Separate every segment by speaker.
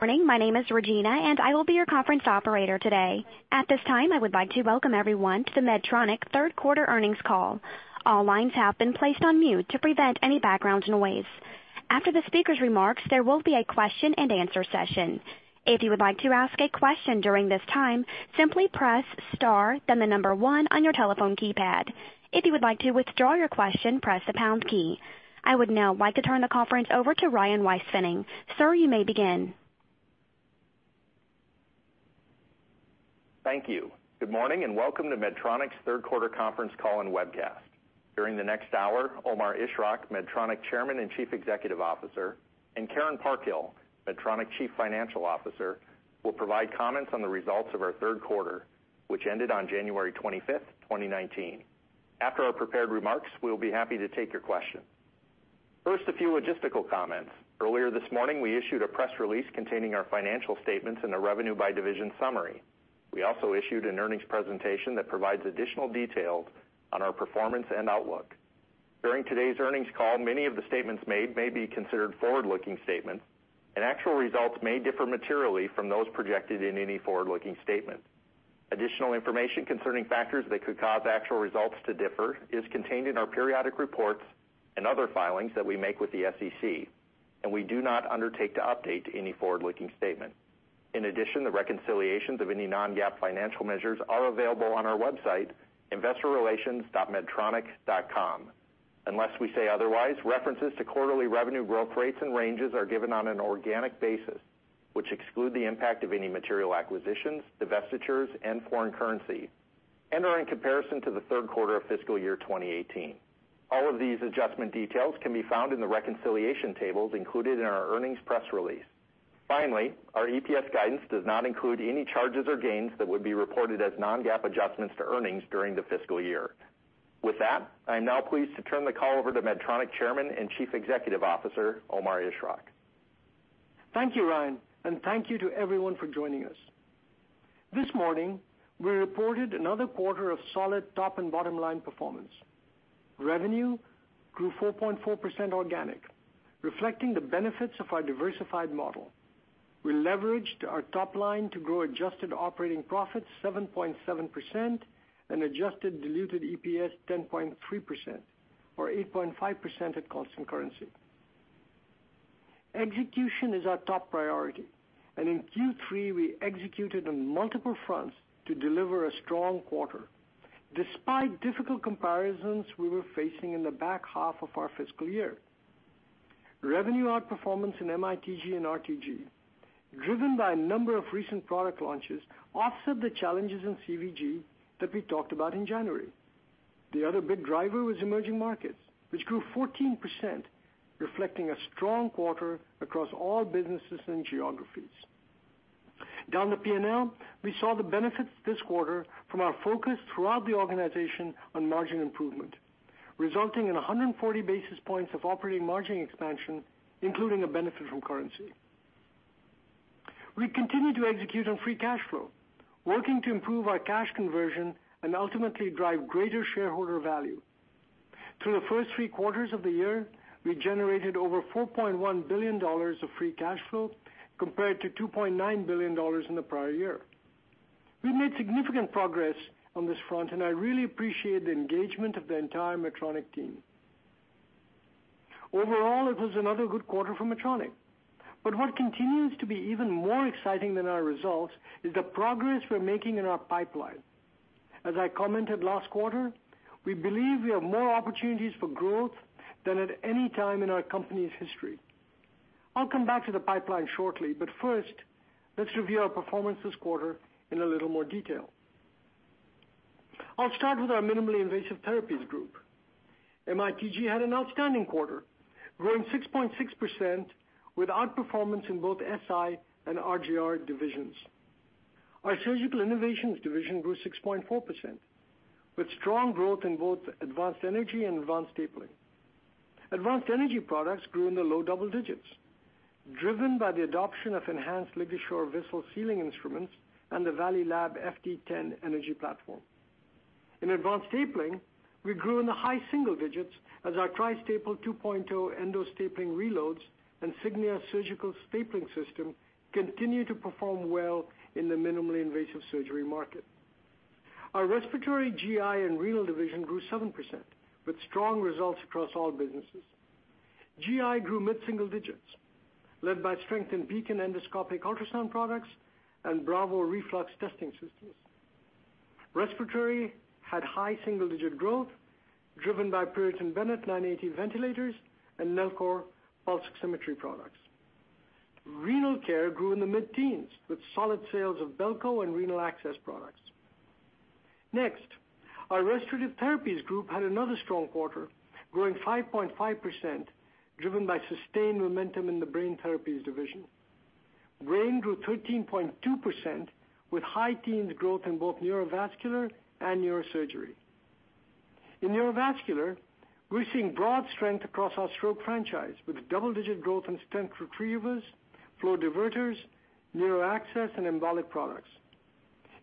Speaker 1: Good morning. My name is Regina, and I will be your conference operator today. At this time, I would like to welcome everyone to the Medtronic third quarter earnings call. All lines have been placed on mute to prevent any background noise. After the speaker's remarks, there will be a question and answer session. If you would like to ask a question during this time, simply press star then the number 1 on your telephone keypad. If you would like to withdraw your question, press the pound key. I would now like to turn the conference over to Ryan Weispfenning. Sir, you may begin.
Speaker 2: Thank you. Good morning and welcome to Medtronic's third quarter conference call and webcast. During the next hour, Omar Ishrak, Medtronic Chairman and Chief Executive Officer, and Karen Parkhill, Medtronic Chief Financial Officer, will provide comments on the results of our third quarter, which ended on January 25th, 2019. After our prepared remarks, we'll be happy to take your question. First, a few logistical comments. Earlier this morning, we issued a press release containing our financial statements and a revenue by division summary. We also issued an earnings presentation that provides additional details on our performance and outlook. During today's earnings call, many of the statements made may be considered forward-looking statements. Actual results may differ materially from those projected in any forward-looking statement. Additional information concerning factors that could cause actual results to differ is contained in our periodic reports and other filings that we make with the SEC. We do not undertake to update any forward-looking statement. In addition, the reconciliations of any non-GAAP financial measures are available on our website, investorrelations.medtronic.com. Unless we say otherwise, references to quarterly revenue growth rates and ranges are given on an an organic basis, which exclude the impact of any material acquisitions, divestitures, and foreign currency, and are in comparison to the third quarter of fiscal year 2018. All of these adjustment details can be found in the reconciliation tables included in our earnings press release. Finally, our EPS guidance does not include any charges or gains that would be reported as non-GAAP adjustments to earnings during the fiscal year. With that, I am now pleased to turn the call over to Medtronic Chairman and Chief Executive Officer, Omar Ishrak.
Speaker 3: Thank you, Ryan, and thank you to everyone for joining us. This morning, we reported another quarter of solid top and bottom-line performance. Revenue grew 4.4% organic, reflecting the benefits of our diversified model. We leveraged our top line to grow adjusted operating profits 7.7% and adjusted diluted EPS 10.3% or 8.5% at constant currency. Execution is our top priority, and in Q3, we executed on multiple fronts to deliver a strong quarter despite difficult comparisons we were facing in the back half of our fiscal year. Revenue outperformance in MITG and RTG, driven by a number of recent product launches, offset the challenges in CVG that we talked about in January. The other big driver was emerging markets, which grew 14%, reflecting a strong quarter across all businesses and geographies. Down the P&L, we saw the benefits this quarter from our focus throughout the organization on margin improvement, resulting in 140 basis points of operating margin expansion, including a benefit from currency. We continue to execute on free cash flow, working to improve our cash conversion and ultimately drive greater shareholder value. Through the first three quarters of the year, we generated over $4.1 billion of free cash flow compared to $2.9 billion in the prior year. We made significant progress on this front, and I really appreciate the engagement of the entire Medtronic team. What continues to be even more exciting than our results is the progress we're making in our pipeline. As I commented last quarter, we believe we have more opportunities for growth than at any time in our company's history. I'll come back to the pipeline shortly. First, let's review our performance this quarter in a little more detail. I'll start with our Minimally Invasive Therapies Group. MITG had an outstanding quarter, growing 6.6% with outperformance in both SI and RGR divisions. Our Surgical Innovations division grew 6.4%, with strong growth in both advanced energy and advanced stapling. Advanced energy products grew in the low double digits, driven by the adoption of enhanced LigaSure vessel sealing instruments and the Valleylab FT10 energy platform. In advanced stapling, we grew in the high single digits as our Tri-Staple 2.0 endostapling reloads and Signia surgical stapling system continue to perform well in the minimally invasive surgery market. Our Respiratory, GI, and Renal division grew 7% with strong results across all businesses. GI grew mid-single digits, led by strength in Beacon endoscopic ultrasound products and Bravo reflux testing systems. Respiratory had high single-digit growth driven by Puritan Bennett 980 ventilators and Nellcor pulse oximetry products. Renal care grew in the mid-teens with solid sales of Bellco and renal access products. Our Restorative Therapies Group had another strong quarter, growing 5.5%, driven by sustained momentum in the brain therapies division. Brain grew 13.2% with high teens growth in both neurovascular and neurosurgery. In neurovascular, we're seeing broad strength across our stroke franchise with double-digit growth in stent retrievers, flow diverters, neuro access, and embolic products.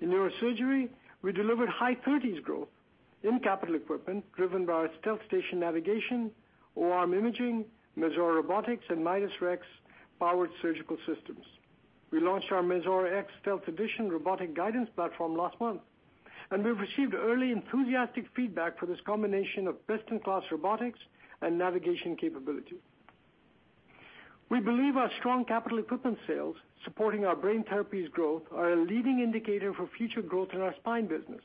Speaker 3: In neurosurgery, we delivered high thirties growth in capital equipment driven by our StealthStation navigation, OR imaging, Mazor Robotics, and Midas Rex powered surgical systems. We launched our Mazor X Stealth Edition robotic guidance platform last month, and we've received early enthusiastic feedback for this combination of best-in-class robotics and navigation capability. We believe our strong capital equipment sales supporting our brain therapies growth are a leading indicator for future growth in our spine business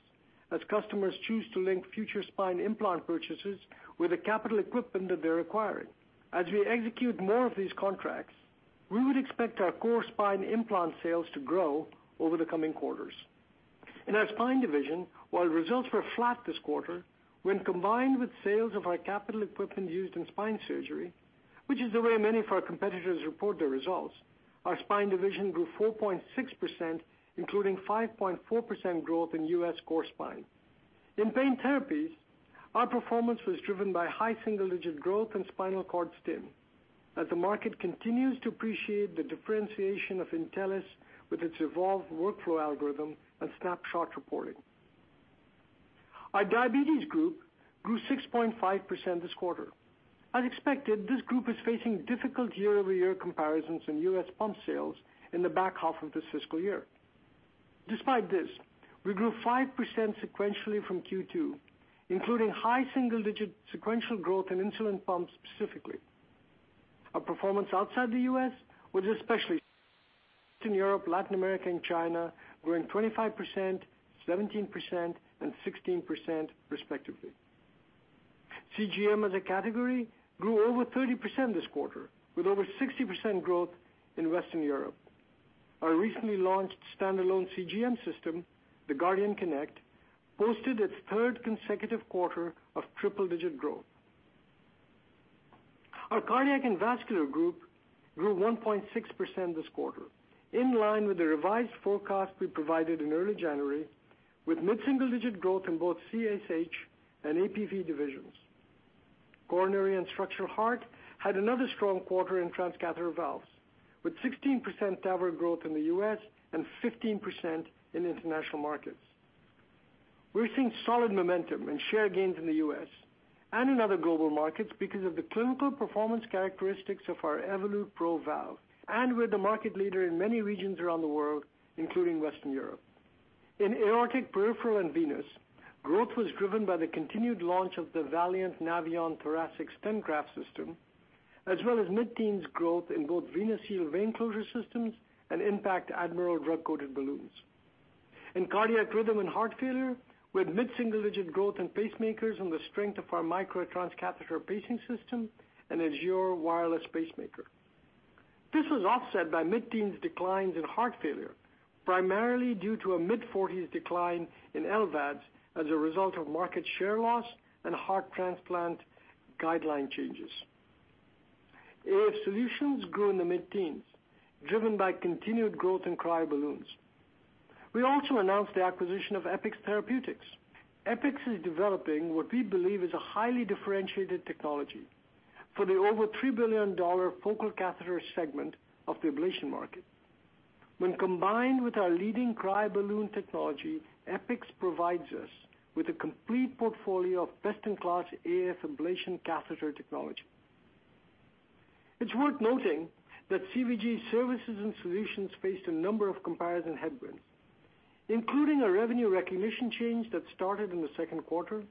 Speaker 3: as customers choose to link future spine implant purchases with the capital equipment that they are acquiring. As we execute more of these contracts, we would expect our core spine implant sales to grow over the coming quarters. In our spine division, while results were flat this quarter, when combined with sales of our capital equipment used in spine surgery, which is the way many of our competitors report their results, our spine division grew 4.6%, including 5.4% growth in U.S. core spine. In pain therapies, our performance was driven by high single-digit growth in spinal cord stim, as the market continues to appreciate the differentiation of Intellis with its evolved workflow algorithm and snapshot reporting. Our diabetes group grew 6.5% this quarter. As expected, this group is facing difficult year-over-year comparisons in U.S. pump sales in the back half of this fiscal year. Despite this, we grew 5% sequentially from Q2, including high single-digit sequential growth in insulin pumps specifically. Our performance outside the U.S. was especially in Western Europe, Latin America, and China, growing 25%, 17%, and 16% respectively. CGM as a category grew over 30% this quarter, with over 60% growth in Western Europe. Our recently launched standalone CGM system, the Guardian Connect, posted its third consecutive quarter of triple-digit growth. Our Cardiac and Vascular Group grew 1.6% this quarter, in line with the revised forecast we provided in early January, with mid-single digit growth in both CSH and APV divisions. Coronary & Structural Heart had another strong quarter in transcatheter valves, with 16% TAVR growth in the U.S. and 15% in international markets. We are seeing solid momentum and share gains in the U.S. and in other global markets because of the clinical performance characteristics of our Evolut PRO valve. We are the market leader in many regions around the world, including Western Europe. In Aortic, Peripheral & Venous, growth was driven by the continued launch of the Valiant Navion thoracic stent graft system, as well as mid-teens growth in both VenaSeal vein closure systems and IN.PACT Admiral drug-coated balloons. In Cardiac Rhythm & Heart Failure, we had mid-single-digit growth in pacemakers on the strength of our Micra transcatheter pacing system and Azure wireless pacemaker. This was offset by mid-teens declines in heart failure, primarily due to a mid-forties decline in LVADs as a result of market share loss and heart transplant guideline changes. AF solutions grew in the mid-teens, driven by continued growth in cryoballoons. We also announced the acquisition of EPIX Therapeutics. EPIX is developing what we believe is a highly differentiated technology for the over $3 billion focal catheter segment of the ablation market. When combined with our leading cryoballoon technology, EPIX provides us with a complete portfolio of best-in-class AF ablation catheter technology. It is worth noting that CVG's services and solutions faced a number of comparison headwinds, including a revenue recognition change that started in the second quarter,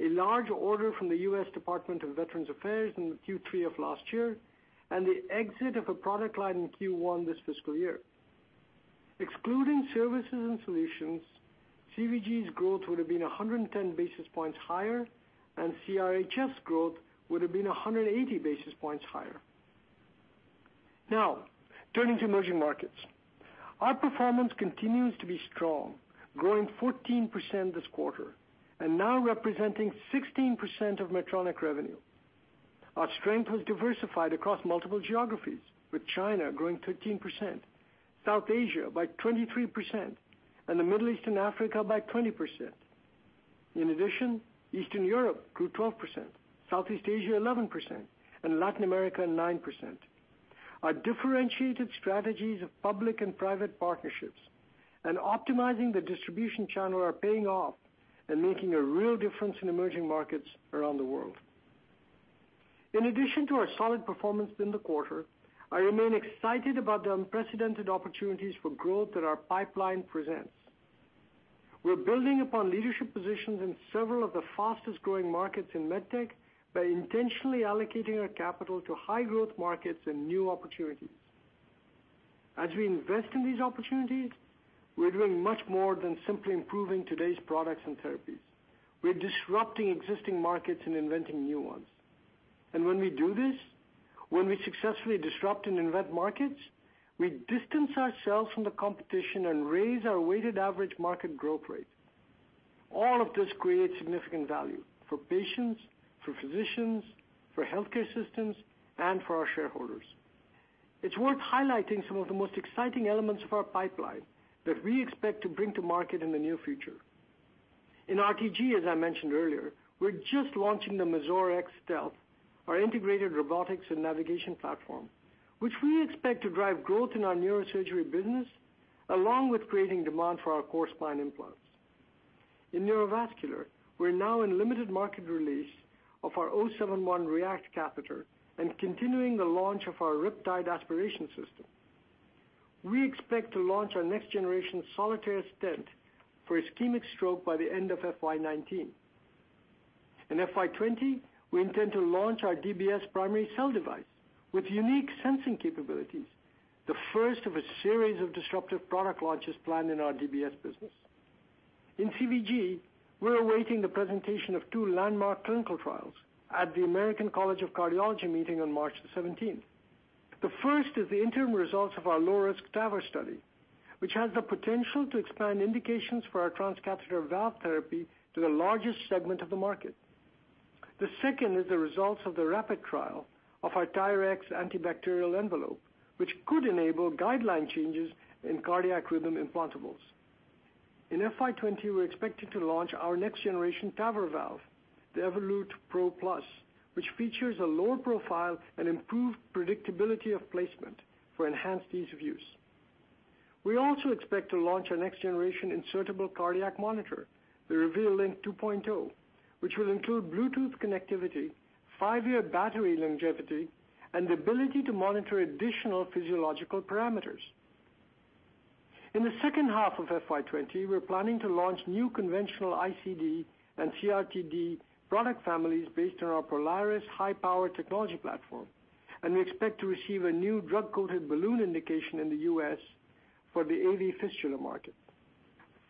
Speaker 3: a large order from the U.S. Department of Veterans Affairs in Q3 of last year, and the exit of a product line in Q1 this fiscal year. Excluding services and solutions, CVG's growth would have been 110 basis points higher, and CRHF growth would have been 180 basis points higher. Turning to emerging markets. Our performance continues to be strong, growing 14% this quarter and now representing 16% of Medtronic revenue. Our strength was diversified across multiple geographies, with China growing 13%, South Asia by 23%, and the Middle East and Africa by 20%. In addition, Eastern Europe grew 12%, Southeast Asia 11%, and Latin America 9%. Our differentiated strategies of public and private partnerships and optimizing the distribution channel are paying off and making a real difference in emerging markets around the world. In addition to our solid performance in the quarter, I remain excited about the unprecedented opportunities for growth that our pipeline presents. We're building upon leadership positions in several of the fastest-growing markets in med tech by intentionally allocating our capital to high-growth markets and new opportunities. As we invest in these opportunities, we're doing much more than simply improving today's products and therapies. We're disrupting existing markets and inventing new ones. When we do this, when we successfully disrupt and invent markets, we distance ourselves from the competition and raise our weighted average market growth rate. All of this creates significant value for patients, for physicians, for healthcare systems, and for our shareholders. It's worth highlighting some of the most exciting elements of our pipeline that we expect to bring to market in the near future. In RTG, as I mentioned earlier, we're just launching the Mazor X Stealth, our integrated robotics and navigation platform, which we expect to drive growth in our neurosurgery business, along with creating demand for our core spine implants. In neurovascular, we're now in limited market release of our React 71 catheter and continuing the launch of our Riptide aspiration system. We expect to launch our next-generation Solitaire stent for ischemic stroke by the end of FY 2019. In FY 2020, we intend to launch our DBS primary cell device with unique sensing capabilities, the first of a series of disruptive product launches planned in our DBS business. In CVG, we're awaiting the presentation of two landmark clinical trials at the American College of Cardiology meeting on March 17th. The first is the interim results of our low-risk TAVR study, which has the potential to expand indications for our transcatheter valve therapy to the largest segment of the market. The second is the results of the WRAP-IT trial of our Tyrx antibacterial envelope, which could enable guideline changes in cardiac rhythm implantables. In FY 2020, we're expected to launch our next-generation TAVR valve, the Evolut PRO+, which features a lower profile and improved predictability of placement for enhanced ease of use. We also expect to launch our next-generation insertable cardiac monitor, the Reveal LINQ II, which will include Bluetooth connectivity, five-year battery longevity, and the ability to monitor additional physiological parameters. In the second half of FY 2020, we're planning to launch new conventional ICD and CRT-D product families based on our Polaris high-power technology platform, and we expect to receive a new drug-coated balloon indication in the U.S. for the AV fistula market.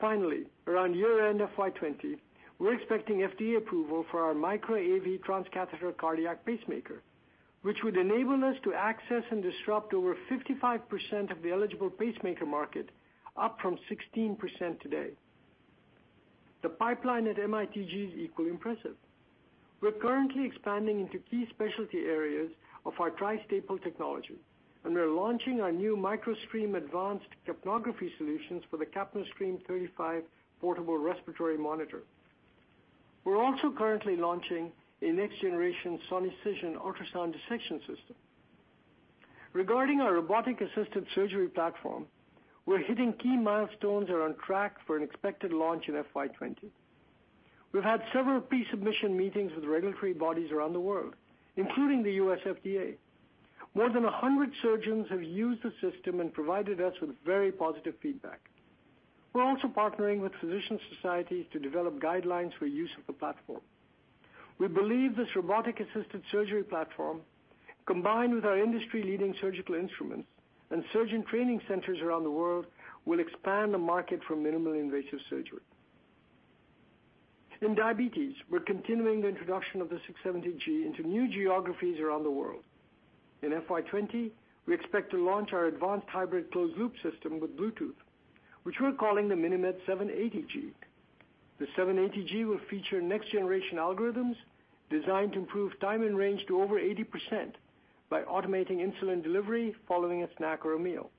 Speaker 3: Finally, around year-end FY 2020, we're expecting FDA approval for our Micra AV transcatheter cardiac pacemaker, which would enable us to access and disrupt over 55% of the eligible pacemaker market, up from 16% today. The pipeline at MITG is equally impressive. We're currently expanding into key specialty areas of our Tri-Staple technology, and we're launching our new Microstream advanced capnography solutions for the Capnostream 35 portable respiratory monitor. We're also currently launching a next-generation Sonicision ultrasound dissection system. Regarding our robotic-assisted surgery platform, we're hitting key milestones and are on track for an expected launch in FY 2020. We've had several pre-submission meetings with regulatory bodies around the world, including the U.S. FDA. More than 100 surgeons have used the system and provided us with very positive feedback. We're also partnering with physician societies to develop guidelines for use of the platform. We believe this robotic-assisted surgery platform, combined with our industry-leading surgical instruments and surgeon training centers around the world, will expand the market for minimally invasive surgery. In diabetes, we're continuing the introduction of the 670G into new geographies around the world. In FY 2020, we expect to launch our advanced hybrid closed-loop system with Bluetooth, which we're calling the MiniMed 780G. The 780G will feature next-generation algorithms designed to improve time and range to over 80% by automating insulin delivery following a snack or a meal.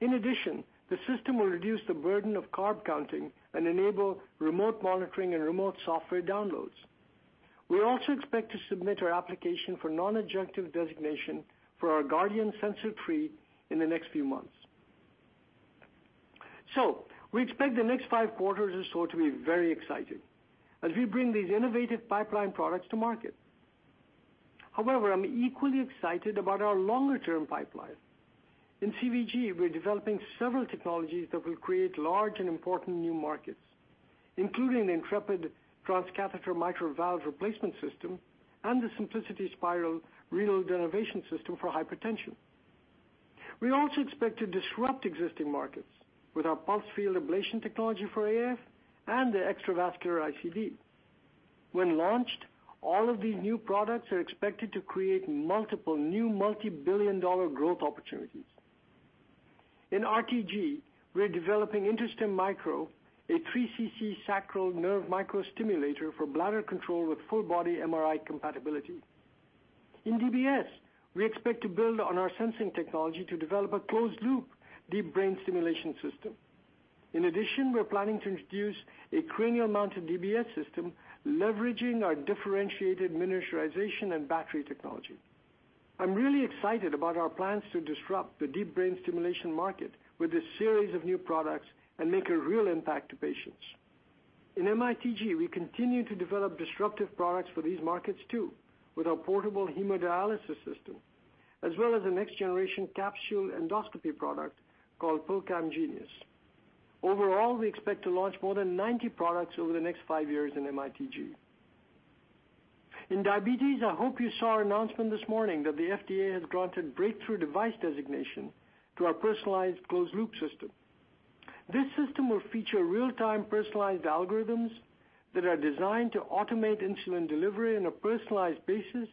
Speaker 3: In addition, the system will reduce the burden of carb counting and enable remote monitoring and remote software downloads. We also expect to submit our application for non-adjunctive designation for our Guardian Sensor 3 in the next few months. We expect the next five quarters or so to be very exciting as we bring these innovative pipeline products to market. However, I'm equally excited about our longer-term pipeline. In CVG, we're developing several technologies that will create large and important new markets, including the Intrepid transcatheter mitral valve replacement system and the Symplicity Spyral renal denervation system for hypertension. We also expect to disrupt existing markets with our pulsed field ablation technology for AF and the extravascular ICD. When launched, all of these new products are expected to create multiple new multi-billion-dollar growth opportunities. In RTG, we're developing InterStim Micro, a 3 cc sacral nerve microstimulator for bladder control with full-body MRI compatibility. In DBS, we expect to build on our sensing technology to develop a closed-loop deep brain stimulation system. In addition, we're planning to introduce a cranial-mounted DBS system leveraging our differentiated miniaturization and battery technology. I'm really excited about our plans to disrupt the deep brain stimulation market with a series of new products and make a real impact to patients. In MITG, we continue to develop disruptive products for these markets too, with our portable hemodialysis system, as well as the next-generation capsule endoscopy product called PillCam Genius. Overall, we expect to launch more than 90 products over the next five years in MITG. In diabetes, I hope you saw our announcement this morning that the FDA has granted breakthrough device designation to our personalized closed-loop system. This system will feature real-time personalized algorithms that are designed to automate insulin delivery on a personalized basis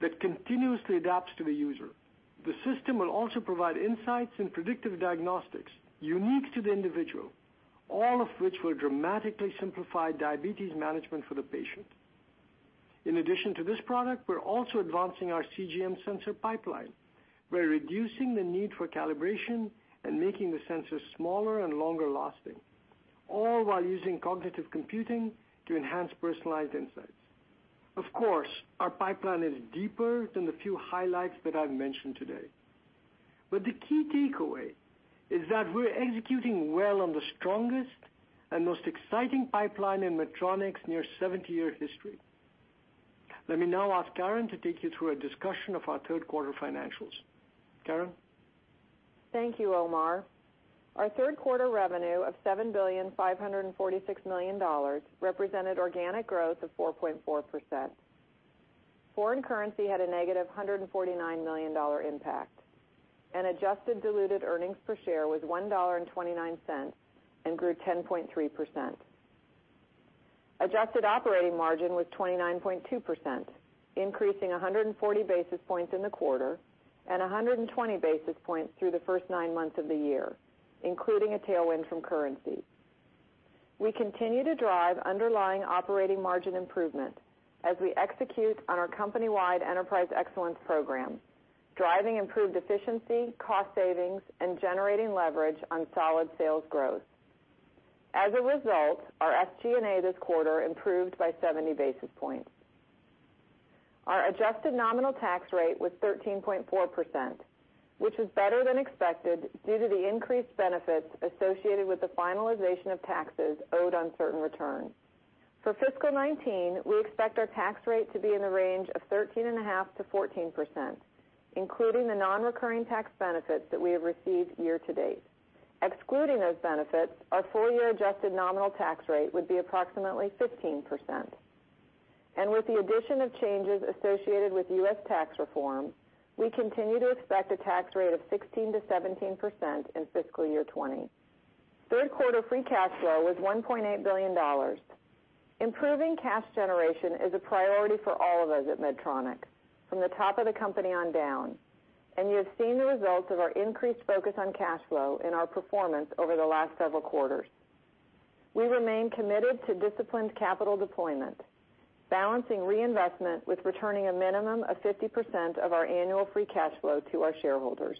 Speaker 3: that continuously adapts to the user. The system will also provide insights and predictive diagnostics unique to the individual, all of which will dramatically simplify diabetes management for the patient. In addition to this product, we're also advancing our CGM sensor pipeline. We're reducing the need for calibration and making the sensors smaller and longer lasting, all while using cognitive computing to enhance personalized insights. Of course, our pipeline is deeper than the few highlights that I've mentioned today. The key takeaway is that we're executing well on the strongest and most exciting pipeline in Medtronic's near 70-year history. Let me now ask Karen to take you through a discussion of our third quarter financials. Karen.
Speaker 4: Thank you, Omar. Our third quarter revenue of $7,546,000,000 represented organic growth of 4.4%. Foreign currency had a negative $149 million impact. Adjusted diluted earnings per share was $1.29 and grew 10.3%. Adjusted operating margin was 29.2%, increasing 140 basis points in the quarter and 120 basis points through the first nine months of the year, including a tailwind from currency. We continue to drive underlying operating margin improvement as we execute on our company-wide Enterprise Excellence Program, driving improved efficiency, cost savings, and generating leverage on solid sales growth. As a result, our SG&A this quarter improved by 70 basis points. Our adjusted nominal tax rate was 13.4%, which is better than expected due to the increased benefits associated with the finalization of taxes owed on certain returns. For fiscal 2019, we expect our tax rate to be in the range of 13.5%-14%, including the non-recurring tax benefits that we have received year to date. Excluding those benefits, our full-year adjusted nominal tax rate would be approximately 15%. With the addition of changes associated with U.S. tax reform, we continue to expect a tax rate of 16%-17% in fiscal year 2020. Third quarter free cash flow was $1.8 billion. Improving cash generation is a priority for all of us at Medtronic, from the top of the company on down. You have seen the results of our increased focus on cash flow in our performance over the last several quarters. We remain committed to disciplined capital deployment, balancing reinvestment with returning a minimum of 50% of our annual free cash flow to our shareholders.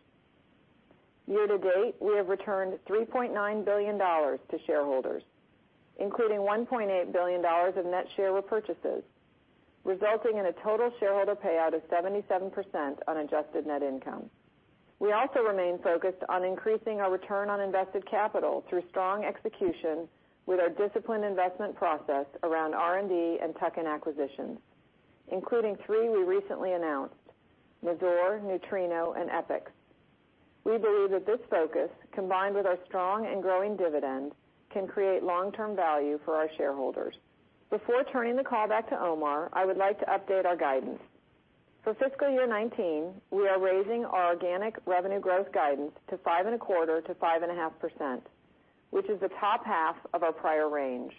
Speaker 4: Year to date, we have returned $3.9 billion to shareholders, including $1.8 billion of net share repurchases, resulting in a total shareholder payout of 77% on adjusted net income. We also remain focused on increasing our return on invested capital through strong execution with our disciplined investment process around R&D and tech and acquisitions, including three we recently announced, Mazor, Nutrino, and EPIX. We believe that this focus, combined with our strong and growing dividend, can create long-term value for our shareholders. Before turning the call back to Omar, I would like to update our guidance. For fiscal year 2019, we are raising our organic revenue growth guidance to 5.25%-5.5%, which is the top half of our prior range.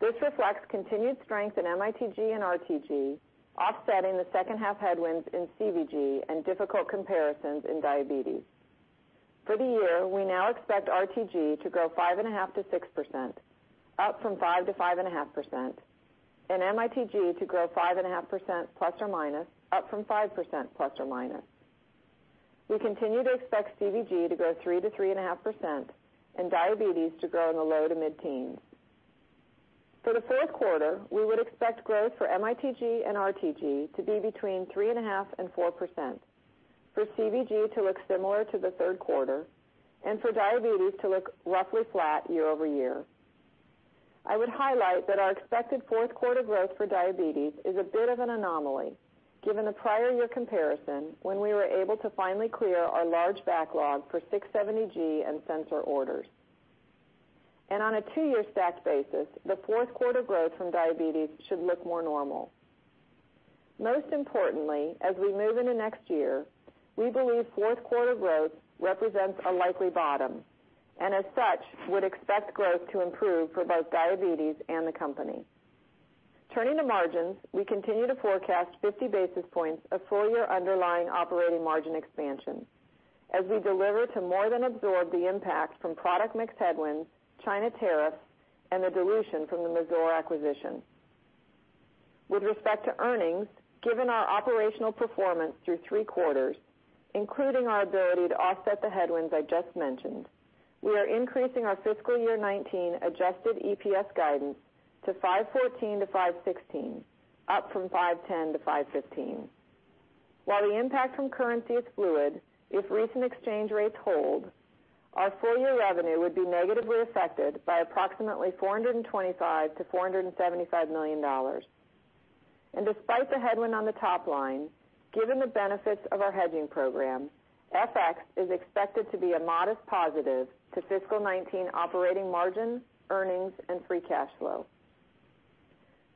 Speaker 4: This reflects continued strength in MITG and RTG, offsetting the second half headwinds in CVG and difficult comparisons in Diabetes. For the year, we now expect RTG to grow 5.5%-6%, up from 5%-5.5%. MITG to grow 5.5% ±, up from 5% ±. We continue to expect CVG to grow 3%-3.5% and Diabetes to grow in the low to mid-teens. For the fourth quarter, we would expect growth for MITG and RTG to be between 3.5%-4%, for CVG to look similar to the third quarter, and for Diabetes to look roughly flat year-over-year. I would highlight that our expected fourth quarter growth for Diabetes is a bit of an anomaly given the prior year comparison when we were able to finally clear our large backlog for 670G and sensor orders. On a two-year stacked basis, the fourth quarter growth from Diabetes should look more normal. Most importantly, as we move into next year, we believe fourth quarter growth represents a likely bottom, and as such, would expect growth to improve for both Diabetes and the company. Turning to margins, we continue to forecast 50 basis points of full-year underlying operating margin expansion as we deliver to more than absorb the impact from product mix headwinds, China tariffs, and the dilution from the Mazor acquisition. With respect to earnings, given our operational performance through three quarters, including our ability to offset the headwinds I just mentioned, we are increasing our fiscal year 2019 adjusted EPS guidance to $5.14-$5.16, up from $5.10-$5.15. While the impact from currency is fluid, if recent exchange rates hold, our full-year revenue would be negatively affected by approximately $425 million-$475 million. Despite the headwind on the top line, given the benefits of our hedging program, FX is expected to be a modest positive to fiscal 2019 operating margin, earnings, and free cash flow.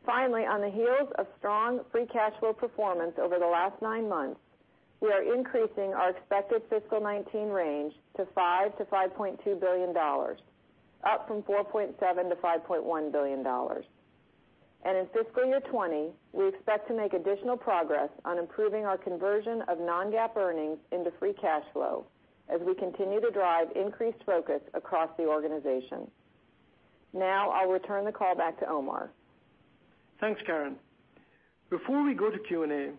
Speaker 4: Finally, on the heels of strong free cash flow performance over the last nine months, we are increasing our expected fiscal 2019 range to $5 billion-$5.2 billion, up from $4.7 billion-$5.1 billion. In fiscal year 2020, we expect to make additional progress on improving our conversion of non-GAAP earnings into free cash flow as we continue to drive increased focus across the organization. Now, I'll return the call back to Omar.
Speaker 3: Thanks, Karen. Before we go to Q&A,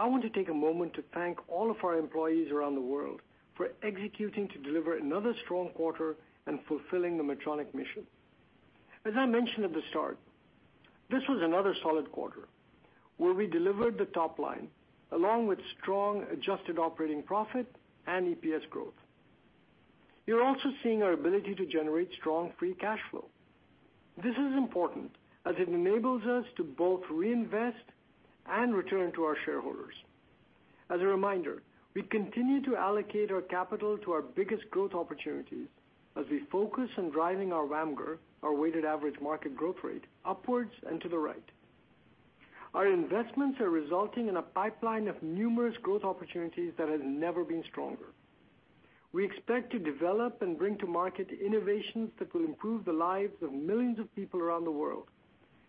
Speaker 3: I want to take a moment to thank all of our employees around the world for executing to deliver another strong quarter and fulfilling the Medtronic mission. As I mentioned at the start, this was another solid quarter where we delivered the top line, along with strong adjusted operating profit and EPS growth. You're also seeing our ability to generate strong free cash flow. This is important as it enables us to both reinvest and return to our shareholders. As a reminder, we continue to allocate our capital to our biggest growth opportunities as we focus on driving our WAMGR, our weighted average market growth rate, upwards and to the right. Our investments are resulting in a pipeline of numerous growth opportunities that has never been stronger. We expect to develop and bring to market innovations that will improve the lives of millions of people around the world,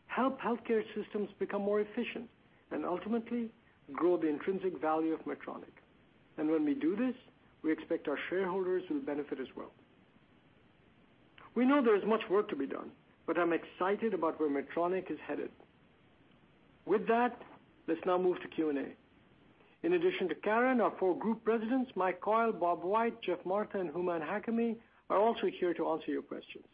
Speaker 3: help healthcare systems become more efficient, and ultimately, grow the intrinsic value of Medtronic. When we do this, we expect our shareholders will benefit as well. We know there is much work to be done, but I'm excited about where Medtronic is headed. With that, let's now move to Q&A. In addition to Karen, our four group presidents, Mike Coyle, Bob White, Geoff Martha, and Hooman Hakami, are also here to answer your questions.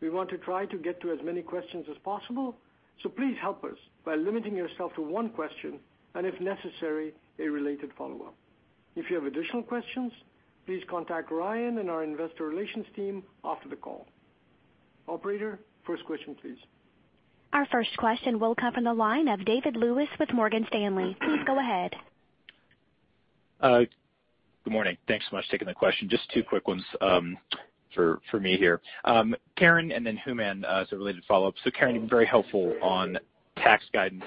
Speaker 3: We want to try to get to as many questions as possible, so please help us by limiting yourself to one question and, if necessary, a related follow-up. If you have additional questions, please contact Ryan and our investor relations team after the call. Operator, first question please.
Speaker 1: Our first question will come from the line of David Lewis with Morgan Stanley. Please go ahead.
Speaker 5: Good morning. Thanks so much for taking the question. Just two quick ones for me here. Karen, and then Hooman as a related follow-up. Karen, very helpful on tax guidance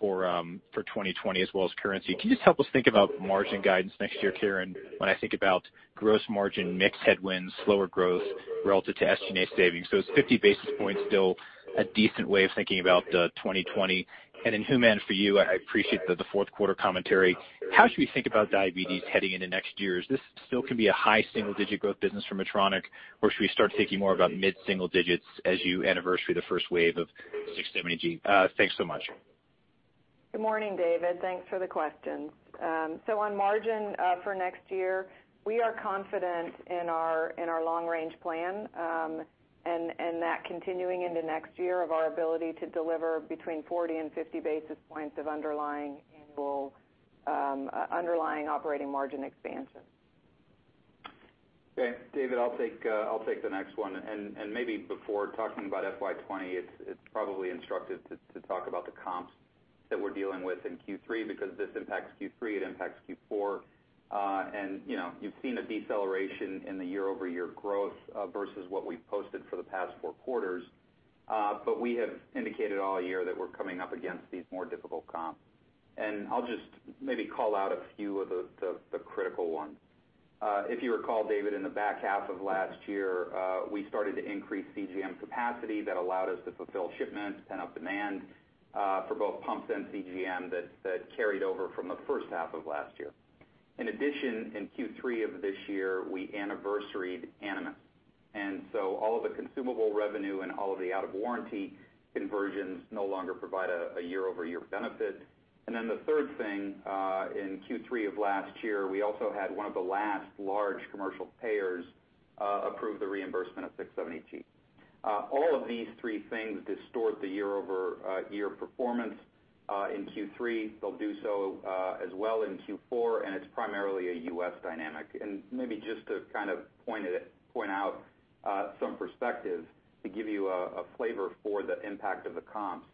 Speaker 5: for 2020 as well as currency. Can you just help us think about margin guidance next year, Karen, when I think about gross margin mix headwinds, slower growth relative to SG&A savings. Is 50 basis points still a decent way of thinking about 2020? Hooman, for you, I appreciate the fourth quarter commentary. How should we think about diabetes heading into next year? Is this still going to be a high single-digit growth business for Medtronic, or should we start thinking more about mid-single digits as you anniversary the first wave of 670G? Thanks so much.
Speaker 4: Good morning, David. Thanks for the questions. On margin for next year, we are confident in our long-range plan, and that continuing into next year of our ability to deliver between 40 and 50 basis points of underlying annual operating margin expansion.
Speaker 6: Okay, David, I'll take the next one. Maybe before talking about FY 2020, it's probably instructive to talk about the comps that we're dealing with in Q3 because if this impacts Q3, it impacts Q4. You've seen a deceleration in the year-over-year growth versus what we've posted for the past four quarters. We have indicated all year that we're coming up against these more difficult comps. I'll just maybe call out a few of the critical ones. If you recall, David, in the back half of last year, we started to increase CGM capacity that allowed us to fulfill shipments, pent-up demand for both pumps and CGM that carried over from the first half of last year. In addition, in Q3 of this year, we anniversaried Animas. All of the consumable revenue and all of the out-of-warranty conversions no longer provide a year-over-year benefit. The third thing, in Q3 of last year, we also had one of the last large commercial payers approve the reimbursement of 670G. All of these three things distort the year-over-year performance in Q3. They'll do so as well in Q4, and it's primarily a U.S. dynamic. Maybe just to kind of point out some perspective to give you a flavor for the impact of the comps.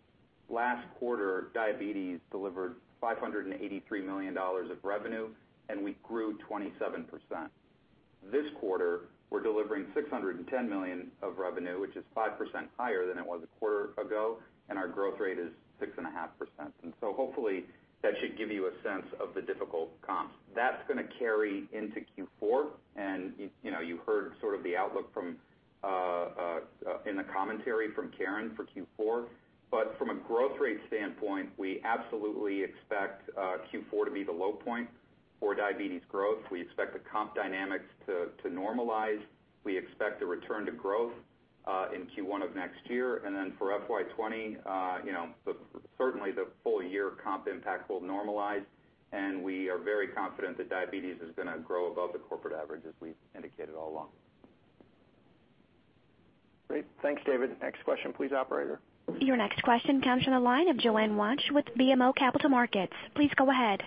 Speaker 6: Last quarter, diabetes delivered $583 million of revenue, and we grew 27%. This quarter, we're delivering $610 million of revenue, which is 5% higher than it was a quarter ago, and our growth rate is 6.5%. Hopefully, that should give you a sense of the difficult comps. That's going to carry into Q4, and you heard sort of the outlook in the commentary from Karen for Q4. From a growth rate standpoint, we absolutely expect Q4 to be the low point for diabetes growth. We expect the comp dynamics to normalize. We expect a return to growth in Q1 of next year. For FY 2020, certainly the full-year comp impact will normalize, and we are very confident that diabetes is going to grow above the corporate average as we've indicated all along.
Speaker 3: Great. Thanks, David. Next question please, operator.
Speaker 1: Your next question comes from the line of Joanne Wuensch with BMO Capital Markets. Please go ahead.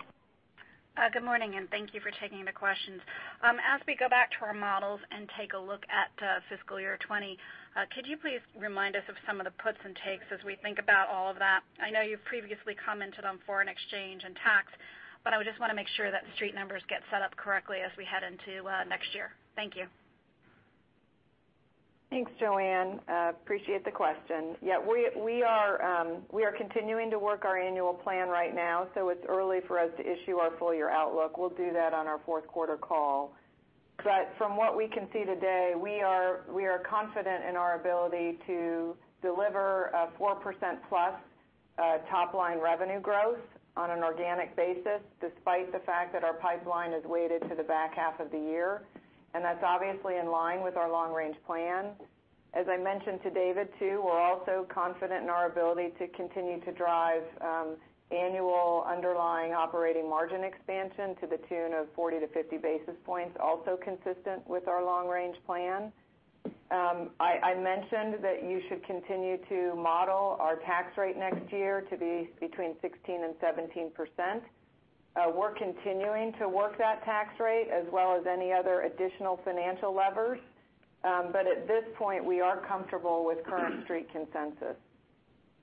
Speaker 7: Good morning. Thank you for taking the questions. As we go back to our models and take a look at fiscal year 2020, could you please remind us of some of the puts and takes as we think about all of that? I know you've previously commented on foreign exchange and tax, I just want to make sure that the Street numbers get set up correctly as we head into next year. Thank you.
Speaker 4: Thanks, Joanne. Appreciate the question. We are continuing to work our annual plan right now, it's early for us to issue our full-year outlook. We'll do that on our fourth quarter call. From what we can see today, we are confident in our ability to deliver a 4%+ top-line revenue growth on an organic basis, despite the fact that our pipeline is weighted to the back half of the year, that's obviously in line with our long-range plan. As I mentioned to David, too, we're also confident in our ability to continue to drive annual underlying operating margin expansion to the tune of 40-50 basis points, also consistent with our long-range plan. I mentioned that you should continue to model our tax rate next year to be between 16% and 17%. We're continuing to work that tax rate as well as any other additional financial levers. At this point, we are comfortable with current Street consensus.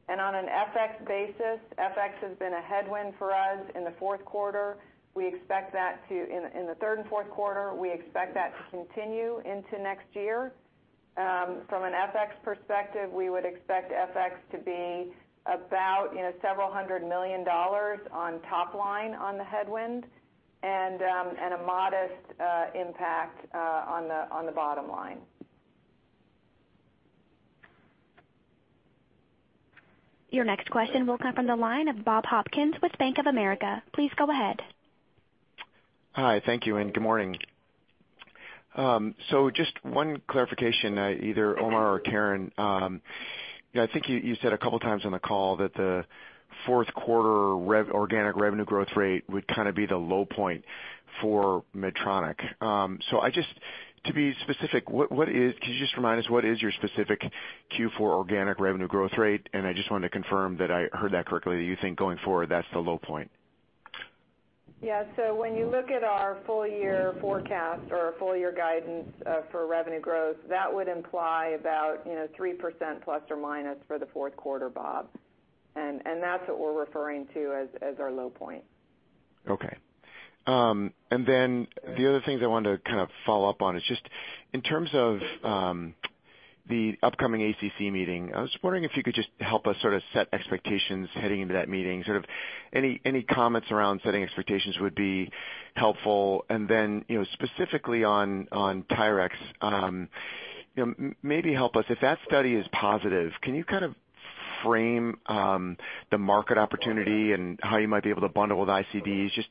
Speaker 4: On an FX basis, FX has been a headwind for us in the fourth quarter. We expect that in the third and fourth quarter, we expect that to continue into next year. From an FX perspective, we would expect FX to be about several hundred million USD on top line on the headwind and a modest impact on the bottom line.
Speaker 1: Your next question will come from the line of Bob Hopkins with Bank of America. Please go ahead.
Speaker 8: Hi, thank you, and good morning. Just one clarification, either Omar or Karen. I think you said a couple of times on the call that the fourth quarter organic revenue growth rate would kind of be the low point for Medtronic. Just to be specific, can you just remind us what is your specific Q4 organic revenue growth rate? I just wanted to confirm that I heard that correctly, that you think going forward, that's the low point.
Speaker 4: Yeah. When you look at our full year forecast or our full-year guidance for revenue growth, that would imply about 3% plus or minus for the fourth quarter, Bob. That's what we're referring to as our low point.
Speaker 8: Okay. The other things I wanted to kind of follow up on is just in terms of the upcoming ACC meeting, I was wondering if you could just help us sort of set expectations heading into that meeting, sort of any comments around setting expectations would be helpful. Specifically on Tyrx, maybe help us if that study is positive, can you kind of frame the market opportunity and how you might be able to bundle with ICDs? Just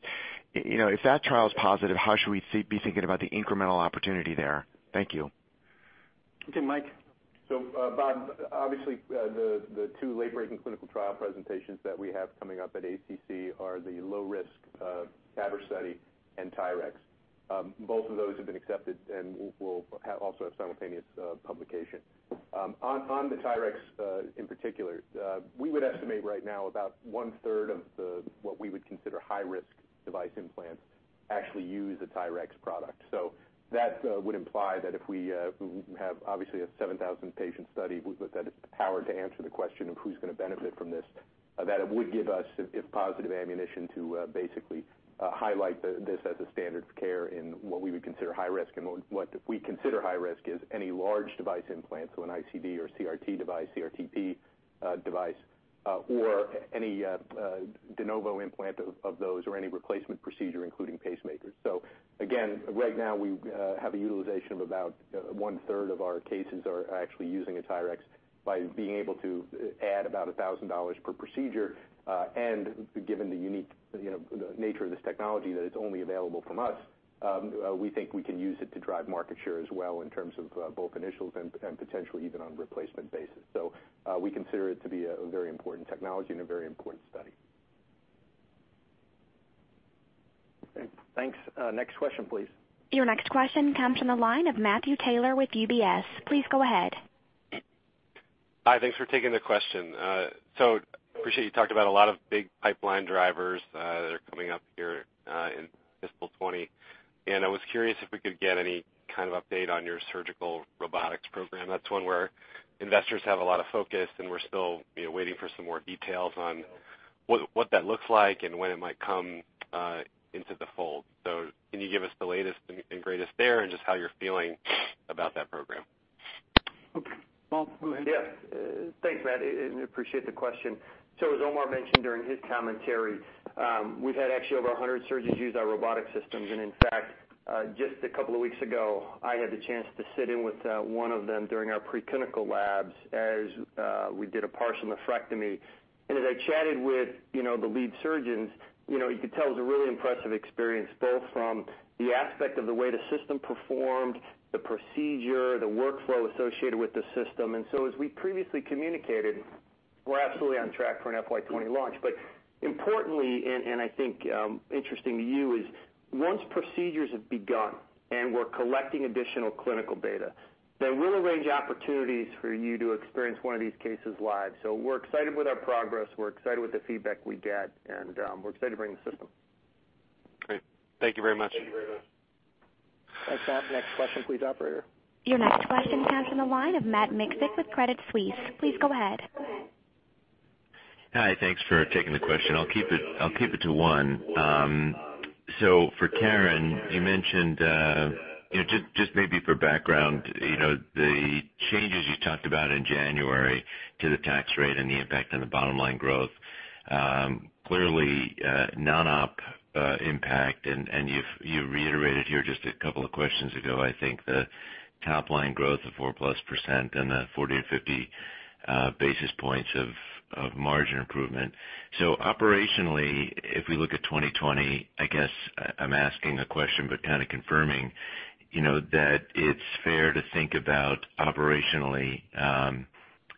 Speaker 8: if that trial is positive, how should we be thinking about the incremental opportunity there? Thank you.
Speaker 9: Okay, Mike.
Speaker 10: Bob, obviously, the two late-breaking clinical trial presentations that we have coming up at ACC are the low-risk TAVR study and Tyrx. Both of those have been accepted and will also have simultaneous publication. On the Tyrx in particular, we would estimate right now about 1/3 of what we would consider high-risk device implants actually use a Tyrx product. That would imply that if we have obviously a 7,000-patient study with the power to answer the question of who's going to benefit from this, that it would give us, if positive, ammunition to basically highlight this as a standard of care in what we would consider high risk. What we consider high risk is any large device implant, an ICD or CRT device, CRT-P device, or any de novo implant of those, or any replacement procedure, including pacemakers. Again, right now we have a utilization of about 1/3 of our cases are actually using a Tyrx by being able to add about $1,000 per procedure. Given the unique nature of this technology that it's only available from us, we think we can use it to drive market share as well in terms of both initials and potentially even on a replacement basis. We consider it to be a very important technology and a very important study.
Speaker 9: Thanks. Next question, please.
Speaker 1: Your next question comes from the line of Matthew Taylor with UBS. Please go ahead.
Speaker 11: Hi. Thanks for taking the question. Appreciate you talked about a lot of big pipeline drivers that are coming up here in fiscal 2020. I was curious if we could get any kind of update on your surgical robotics program. That's one where investors have a lot of focus, and we're still waiting for some more details on what that looks like and when it might come into the fold. Can you give us the latest and greatest there and just how you're feeling about that program?
Speaker 3: Okay, Bob, go ahead.
Speaker 12: Yeah. Thanks, Matt, and appreciate the question. As Omar mentioned during his commentary, we've had actually over 100 surgeons use our robotic systems. In fact, just a couple of weeks ago, I had the chance to sit in with one of them during our pre-clinical labs as we did a partial nephrectomy. As I chatted with the lead surgeons, you could tell it was a really impressive experience, both from the aspect of the way the system performed, the procedure, the workflow associated with the system. As we previously communicated, we're absolutely on track for an FY 2020 launch. Importantly, and I think interesting to you is once procedures have begun and we're collecting additional clinical data, then we'll arrange opportunities for you to experience one of these cases live.
Speaker 4: We're excited with our progress, we're excited with the feedback we get, and we're excited to bring the system.
Speaker 11: Great. Thank you very much.
Speaker 3: Thanks, Matt. Next question please, operator.
Speaker 1: Your next question comes from the line of Matt Miksic with Credit Suisse. Please go ahead.
Speaker 13: Hi, thanks for taking the question. I'll keep it to one. For Karen, you mentioned, just maybe for background, the changes you talked about in January to the tax rate and the impact on the bottom line growth. Clearly, non-op impact and you reiterated here just a couple of questions ago, I think, the top line growth of 4+% and the 40-50 basis points of margin improvement. Operationally, if we look at 2020, I guess I'm asking a question, but kind of confirming that it's fair to think about operationally,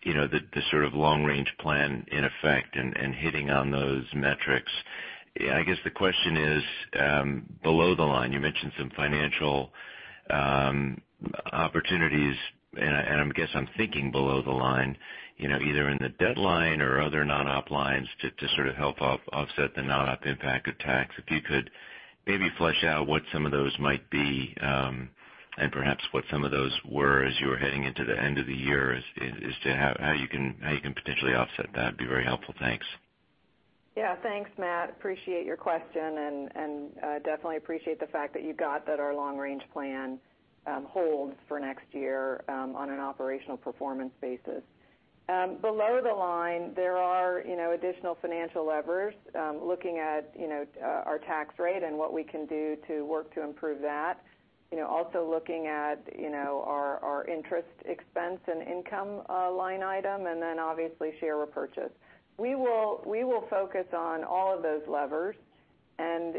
Speaker 13: the sort of long-range plan in effect and hitting on those metrics. I guess the question is, below the line, you mentioned some financial opportunities, and I guess I'm thinking below the line, either in the debt line or other non-op lines to sort of help offset the non-op impact of tax. If you could maybe flesh out what some of those might be, and perhaps what some of those were as you were heading into the end of the year as to how you can potentially offset that. Be very helpful. Thanks.
Speaker 4: Yeah, thanks, Matt. Appreciate your question and definitely appreciate the fact that you got that our long-range plan holds for next year on an operational performance basis. Below the line, there are additional financial levers, looking at our tax rate and what we can do to work to improve that. Also looking at our interest expense and income line item, and then obviously share repurchase. We will focus on all of those levers and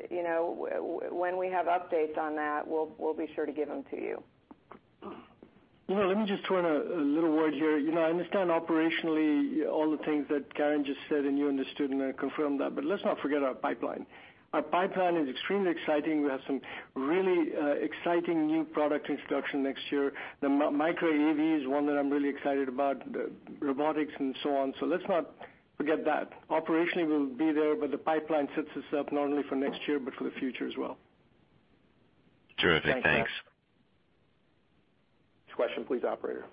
Speaker 4: when we have updates on that, we'll be sure to give them to you.
Speaker 3: Let me just throw in a little word here. I understand operationally all the things that Karen just said, and you understood, and I confirm that, let's not forget our pipeline. Our pipeline is extremely exciting. We have some really exciting new product introduction next year. The Micra AV is one that I'm really excited about, the robotics and so on. Let's not forget that. Operationally, we'll be there, the pipeline sets us up not only for next year, but for the future as well.
Speaker 13: Terrific. Thanks.
Speaker 3: Thanks, Matt.
Speaker 10: Next question please, operator.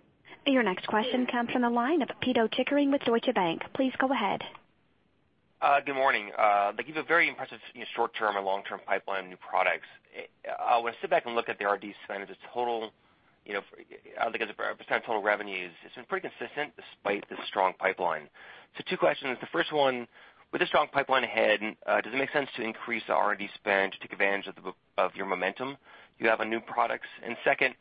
Speaker 1: Your next question comes from the line of Pito Chickering with Deutsche Bank. Please go ahead.
Speaker 14: Good morning. You have a very impressive short-term and long-term pipeline of new products. When I sit back and look at the R&D spend as a total, I look at it as a % of total revenues, it's been pretty consistent despite the strong pipeline. Two questions. The first one, with the strong pipeline ahead, does it make sense to increase the R&D spend to take advantage of your momentum? You have new products. Second,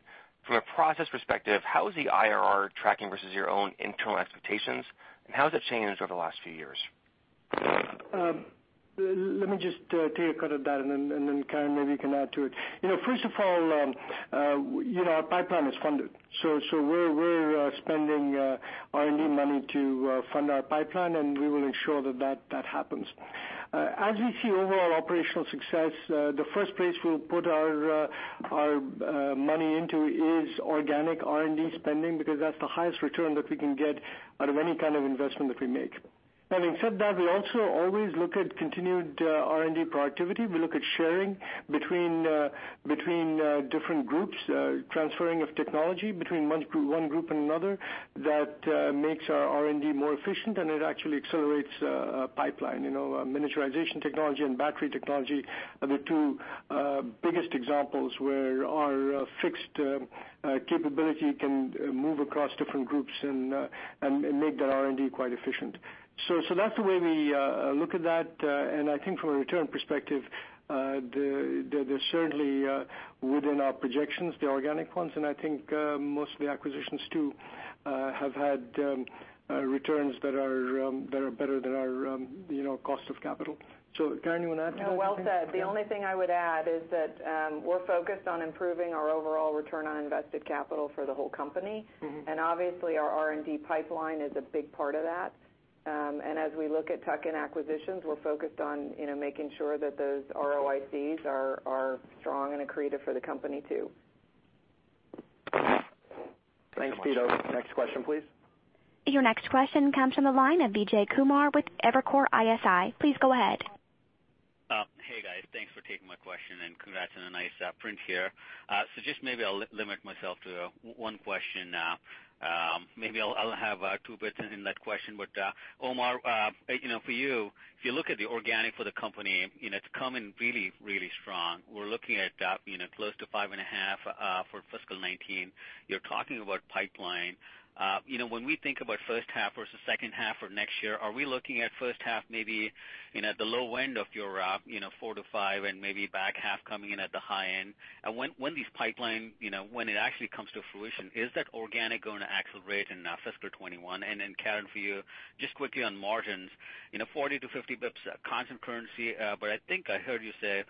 Speaker 14: from a process perspective, how is the IRR tracking versus your own internal expectations, and how has it changed over the last few years?
Speaker 3: Let me just take a cut at that, and then Karen, maybe you can add to it. First of all, our pipeline is funded. We're spending R&D money to fund our pipeline, and we will ensure that that happens. As we see overall operational success, the first place we'll put our money into is organic R&D spending, because that's the highest return that we can get out of any kind of investment that we make. Having said that, we also always look at continued R&D productivity. We look at sharing between different groups, transferring of technology between one group and another. That makes our R&D more efficient, and it actually accelerates our pipeline. Miniaturization technology and battery technology are the two biggest examples where our fixed capability can move across different groups and make that R&D quite efficient. That's the way we look at that. I think from a return perspective, they're certainly within our projections, the organic ones, and I think most of the acquisitions too have had returns that are better than our cost of capital. Karen, you want to add to that?
Speaker 4: Well said. The only thing I would add is that we're focused on improving our overall return on invested capital for the whole company. Obviously our R&D pipeline is a big part of that. As we look at tuck-in acquisitions, we're focused on making sure that those ROICs are strong and accretive for the company, too.
Speaker 14: Thanks.
Speaker 10: Thanks, Pito. Next question, please.
Speaker 1: Your next question comes from the line of Vijay Kumar with Evercore ISI. Please go ahead.
Speaker 15: Hey, guys. Thanks for taking my question. Congrats on a nice print here. Just maybe I'll limit myself to one question. Maybe I'll have two bits in that question. Omar, for you, if you look at the organic for the company, it's coming really, really strong. We're looking at close to 5.5 for FY 2019. You're talking about pipeline. When we think about first half versus second half for next year, are we looking at first half maybe at the low end of your 4-5 and maybe back half coming in at the high end? When these pipeline, when it actually comes to fruition, is that organic going to accelerate in FY 2021? Karen, for you, just quickly on margins, 40-50 bps constant currency, but I think I heard you say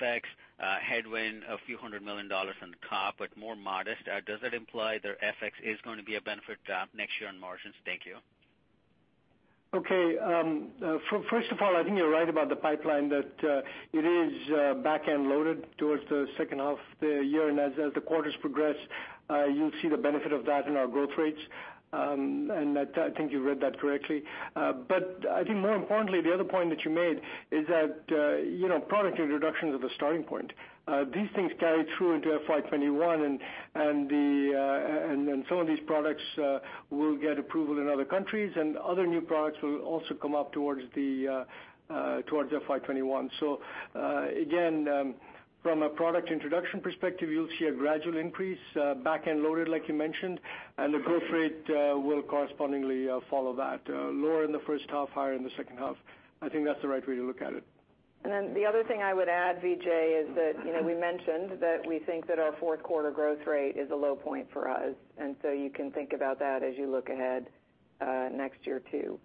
Speaker 15: FX headwind $a few hundred million on the top, but more modest. Does that imply that FX is going to be a benefit next year on margins? Thank you.
Speaker 3: Okay. First of all, I think you're right about the pipeline, that it is back-end loaded towards the second half of the year. As the quarters progress, you'll see the benefit of that in our growth rates. I think you read that correctly. I think more importantly, the other point that you made is that product introductions are the starting point. These things carry through into FY 2021 and some of these products will get approval in other countries, and other new products will also come up towards FY 2021. Again, from a product introduction perspective, you'll see a gradual increase, back-end loaded, like you mentioned. The growth rate will correspondingly follow that. Lower in the first half, higher in the second half. I think that's the right way to look at it.
Speaker 4: The other thing I would add, Vijay, is that we mentioned that we think that our fourth quarter growth rate is a low point for us. You can think about that as you look ahead next year too.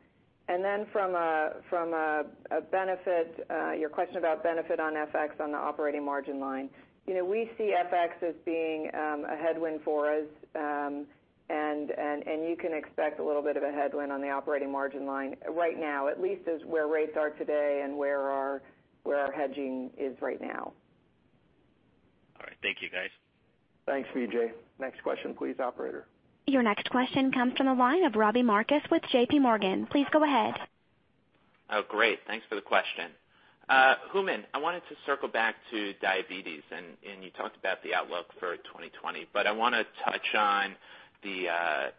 Speaker 4: From a benefit, your question about benefit on FX on the operating margin line. We see FX as being a headwind for us, and you can expect a little bit of a headwind on the operating margin line right now, at least as where rates are today and where our hedging is right now.
Speaker 3: All right. Thank you guys.
Speaker 6: Thanks, Vijay. Next question please, operator.
Speaker 1: Your next question comes from the line of Robbie Marcus with J.P. Morgan. Please go ahead.
Speaker 16: Oh, great. Thanks for the question. Hooman, I wanted to circle back to diabetes. I want to touch on the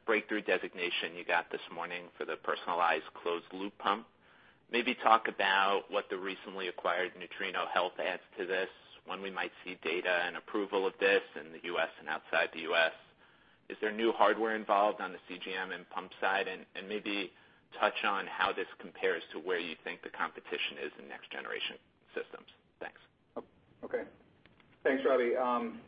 Speaker 16: breakthrough designation you got this morning for the personalized closed-loop pump. Maybe talk about what the recently acquired Nutrino Health adds to this, when we might see data and approval of this in the U.S. and outside the U.S. Is there new hardware involved on the CGM and pump side? Maybe touch on how this compares to where you think the competition is in next generation systems. Thanks.
Speaker 6: Okay. Thanks, Robbie.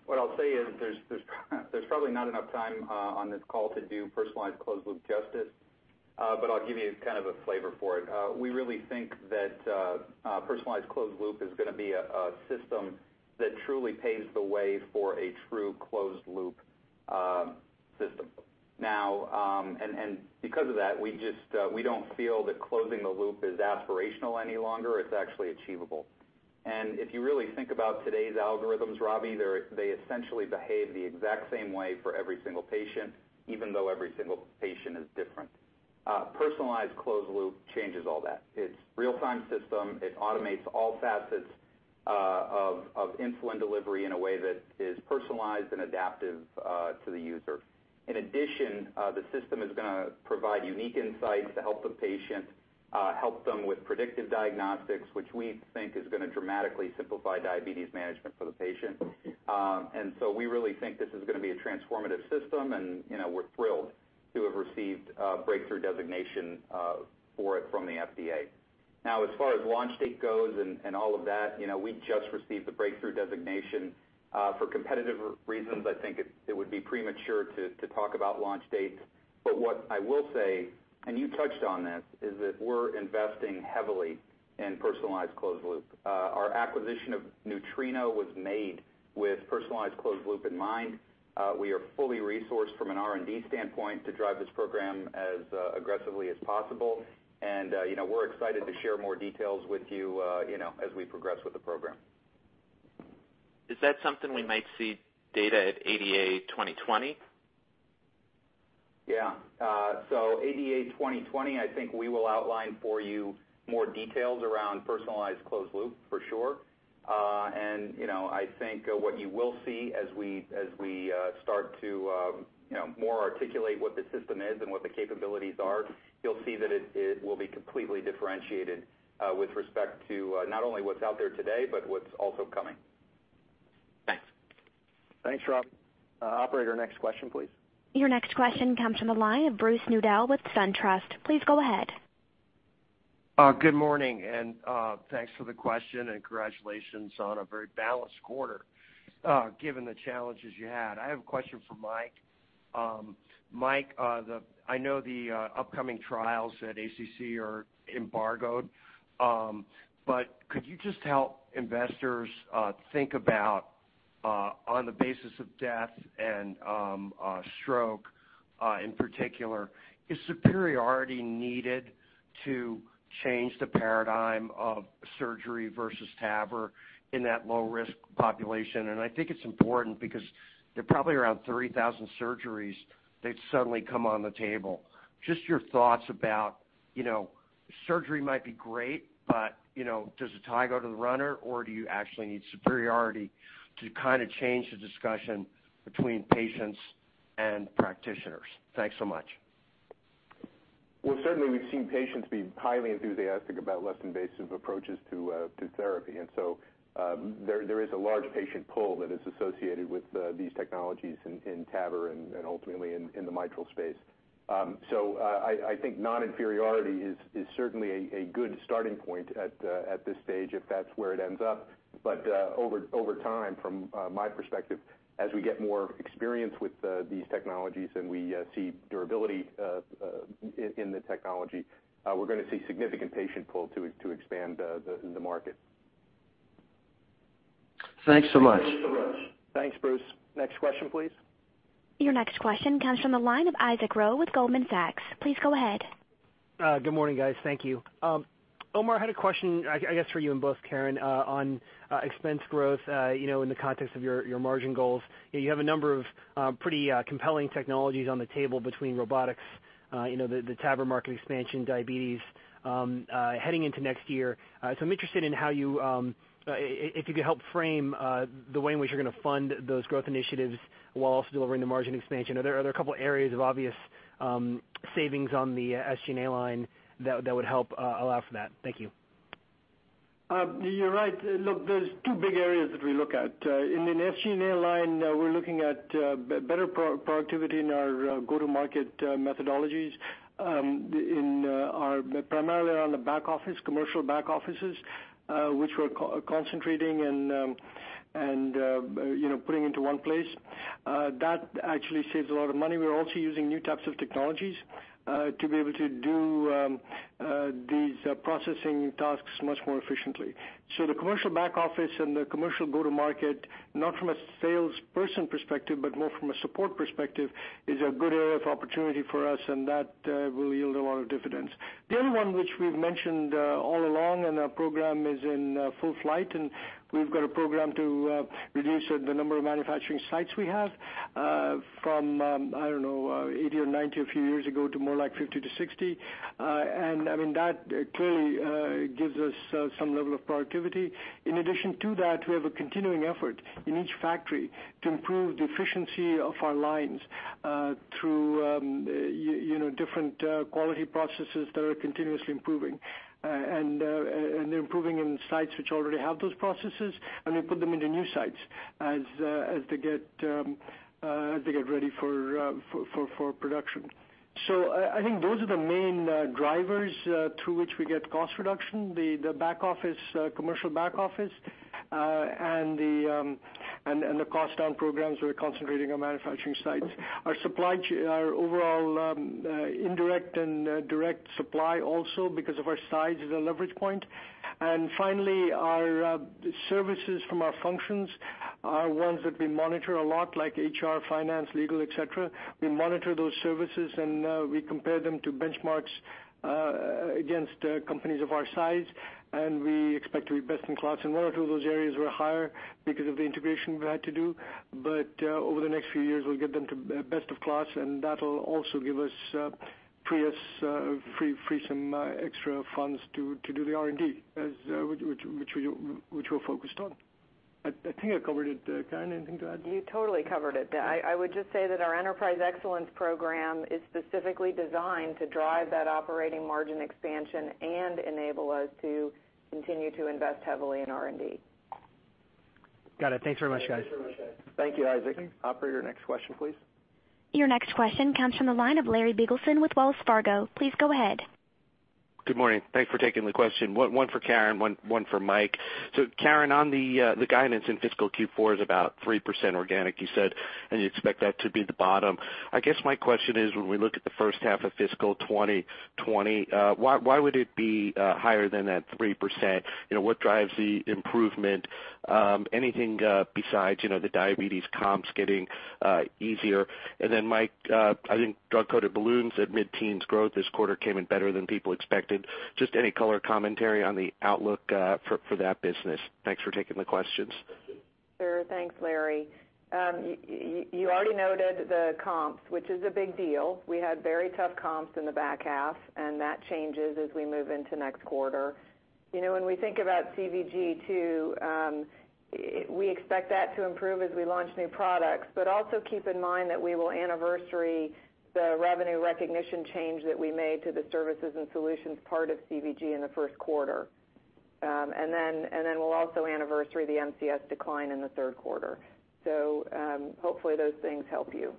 Speaker 6: What I'll say is there's probably not enough time on this call to do personalized closed loop justice. I'll give you kind of a flavor for it. We really think that personalized closed loop is going to be a system that truly paves the way for a true closed loop system. Now, because of that, we don't feel that closing the loop is aspirational any longer. It's actually achievable. If you really think about today's algorithms, Robbie, they essentially behave the exact same way for every single patient, even though every single patient is different. Personalized closed loop changes all that. It's real-time system. It automates all facets of insulin delivery in a way that is personalized and adaptive to the user. In addition, the system is going to provide unique insights to help the patient, help them with predictive diagnostics, which we think is going to dramatically simplify diabetes management for the patient. We really think this is going to be a transformative system, and we're thrilled to have received breakthrough designation for it from the FDA. Now, as far as launch date goes and all of that, we just received the breakthrough designation. For competitive reasons, I think it would be premature to talk about launch dates. What I will say, and you touched on this, is that we're investing heavily in personalized closed loop. Our acquisition of Nutrino was made with personalized closed loop in mind. We are fully resourced from an R&D standpoint to drive this program as aggressively as possible. We're excited to share more details with you as we progress with the program.
Speaker 16: Is that something we might see data at ADA 2020?
Speaker 6: ADA 2020, I think we will outline for you more details around personalized closed loop for sure. I think what you will see as we start to more articulate what the system is and what the capabilities are, you'll see that it will be completely differentiated with respect to not only what's out there today, but what's also coming.
Speaker 16: Thanks.
Speaker 6: Thanks, Robbie. Operator, next question, please.
Speaker 1: Your next question comes from the line of Brooks Nadel with SunTrust. Please go ahead.
Speaker 17: Good morning, thanks for the question, and congratulations on a very balanced quarter given the challenges you had. I have a question for Mike. Mike, I know the upcoming trials at ACC are embargoed. Could you just help investors think about on the basis of death and stroke in particular, is superiority needed to change the paradigm of surgery versus TAVR in that low-risk population? I think it's important because there are probably around 3,000 surgeries that suddenly come on the table. Just your thoughts about surgery might be great, but does the tie go to the runner or do you actually need superiority to kind of change the discussion between patients and practitioners? Thanks so much.
Speaker 10: Certainly we've seen patients be highly enthusiastic about less invasive approaches to therapy. There is a large patient pool that is associated with these technologies in TAVR and ultimately in the mitral space. I think non-inferiority is certainly a good starting point at this stage, if that's where it ends up. Over time, from my perspective, as we get more experience with these technologies and we see durability in the technology, we're going to see significant patient pull to expand the market.
Speaker 17: Thanks so much.
Speaker 6: Thanks, Brooks. Next question, please.
Speaker 1: Your next question comes from the line of Isaac Ro with Goldman Sachs. Please go ahead.
Speaker 18: Good morning, guys. Thank you. Omar, I had a question, I guess for you and both Karen, on expense growth in the context of your margin goals. You have a number of pretty compelling technologies on the table between robotics, the TAVR market expansion, diabetes heading into next year. I'm interested in how you could help frame the way in which you're going to fund those growth initiatives while also delivering the margin expansion. Are there a couple of areas of obvious savings on the SG&A line that would help allow for that? Thank you.
Speaker 3: You're right. Look, there's two big areas that we look at. In the SG&A line, we're looking at better productivity in our go-to-market methodologies. Primarily around the back office, commercial back offices, which we're concentrating and putting into one place. That actually saves a lot of money. We're also using new types of technologies to be able to do these processing tasks much more efficiently. The commercial back office and the commercial go-to-market, not from a salesperson perspective, but more from a support perspective, is a good area of opportunity for us, and that will yield a lot of dividends. The other one, which we've mentioned all along, and our program is in full flight, and we've got a program to reduce the number of manufacturing sites we have from, I don't know, 80 or 90 a few years ago, to more like 50 to 60. That clearly gives us some level of productivity. In addition to that, we have a continuing effort in each factory to improve the efficiency of our lines, through different quality processes that are continuously improving. They're improving in sites which already have those processes, and we put them into new sites as they get ready for production. I think those are the main drivers through which we get cost reduction, the commercial back office, and the cost-down programs we're concentrating on manufacturing sites. Our overall indirect and direct supply also, because of our size, is a leverage point. Finally, our services from our functions are ones that we monitor a lot, like HR, finance, legal, et cetera. We monitor those services, and we compare them to benchmarks against companies of our size, and we expect to be best in class. In one or two of those areas we're higher because of the integration we've had to do. Over the next few years, we'll get them to best of class, and that'll also free some extra funds to do the R&D, which we're focused on. I think I covered it. Karen, anything to add?
Speaker 4: You totally covered it. I would just say that our enterprise excellence program is specifically designed to drive that operating margin expansion and enable us to continue to invest heavily in R&D.
Speaker 18: Got it. Thanks very much, guys.
Speaker 3: Thank you, Isaac. Operator, next question, please.
Speaker 1: Your next question comes from the line of Larry Biegelsen with Wells Fargo. Please go ahead.
Speaker 19: Good morning. Thanks for taking the question. One for Karen, one for Mike. Karen, on the guidance in fiscal Q4 is about 3% organic, you said, and you expect that to be the bottom. I guess my question is, when we look at the first half of fiscal 2020, why would it be higher than that 3%? What drives the improvement? Anything besides the diabetes comps getting easier? Mike, I think drug-coated balloons at mid-teens growth this quarter came in better than people expected. Just any color commentary on the outlook for that business. Thanks for taking the questions.
Speaker 4: Sure. Thanks, Larry. You already noted the comps, which is a big deal. We had very tough comps in the back half, that changes as we move into next quarter. When we think about CVG too, we expect that to improve as we launch new products. Also keep in mind that we will anniversary the revenue recognition change that we made to the services and solutions part of CVG in the first quarter. We'll also anniversary the MCS decline in the third quarter. Hopefully those things help you.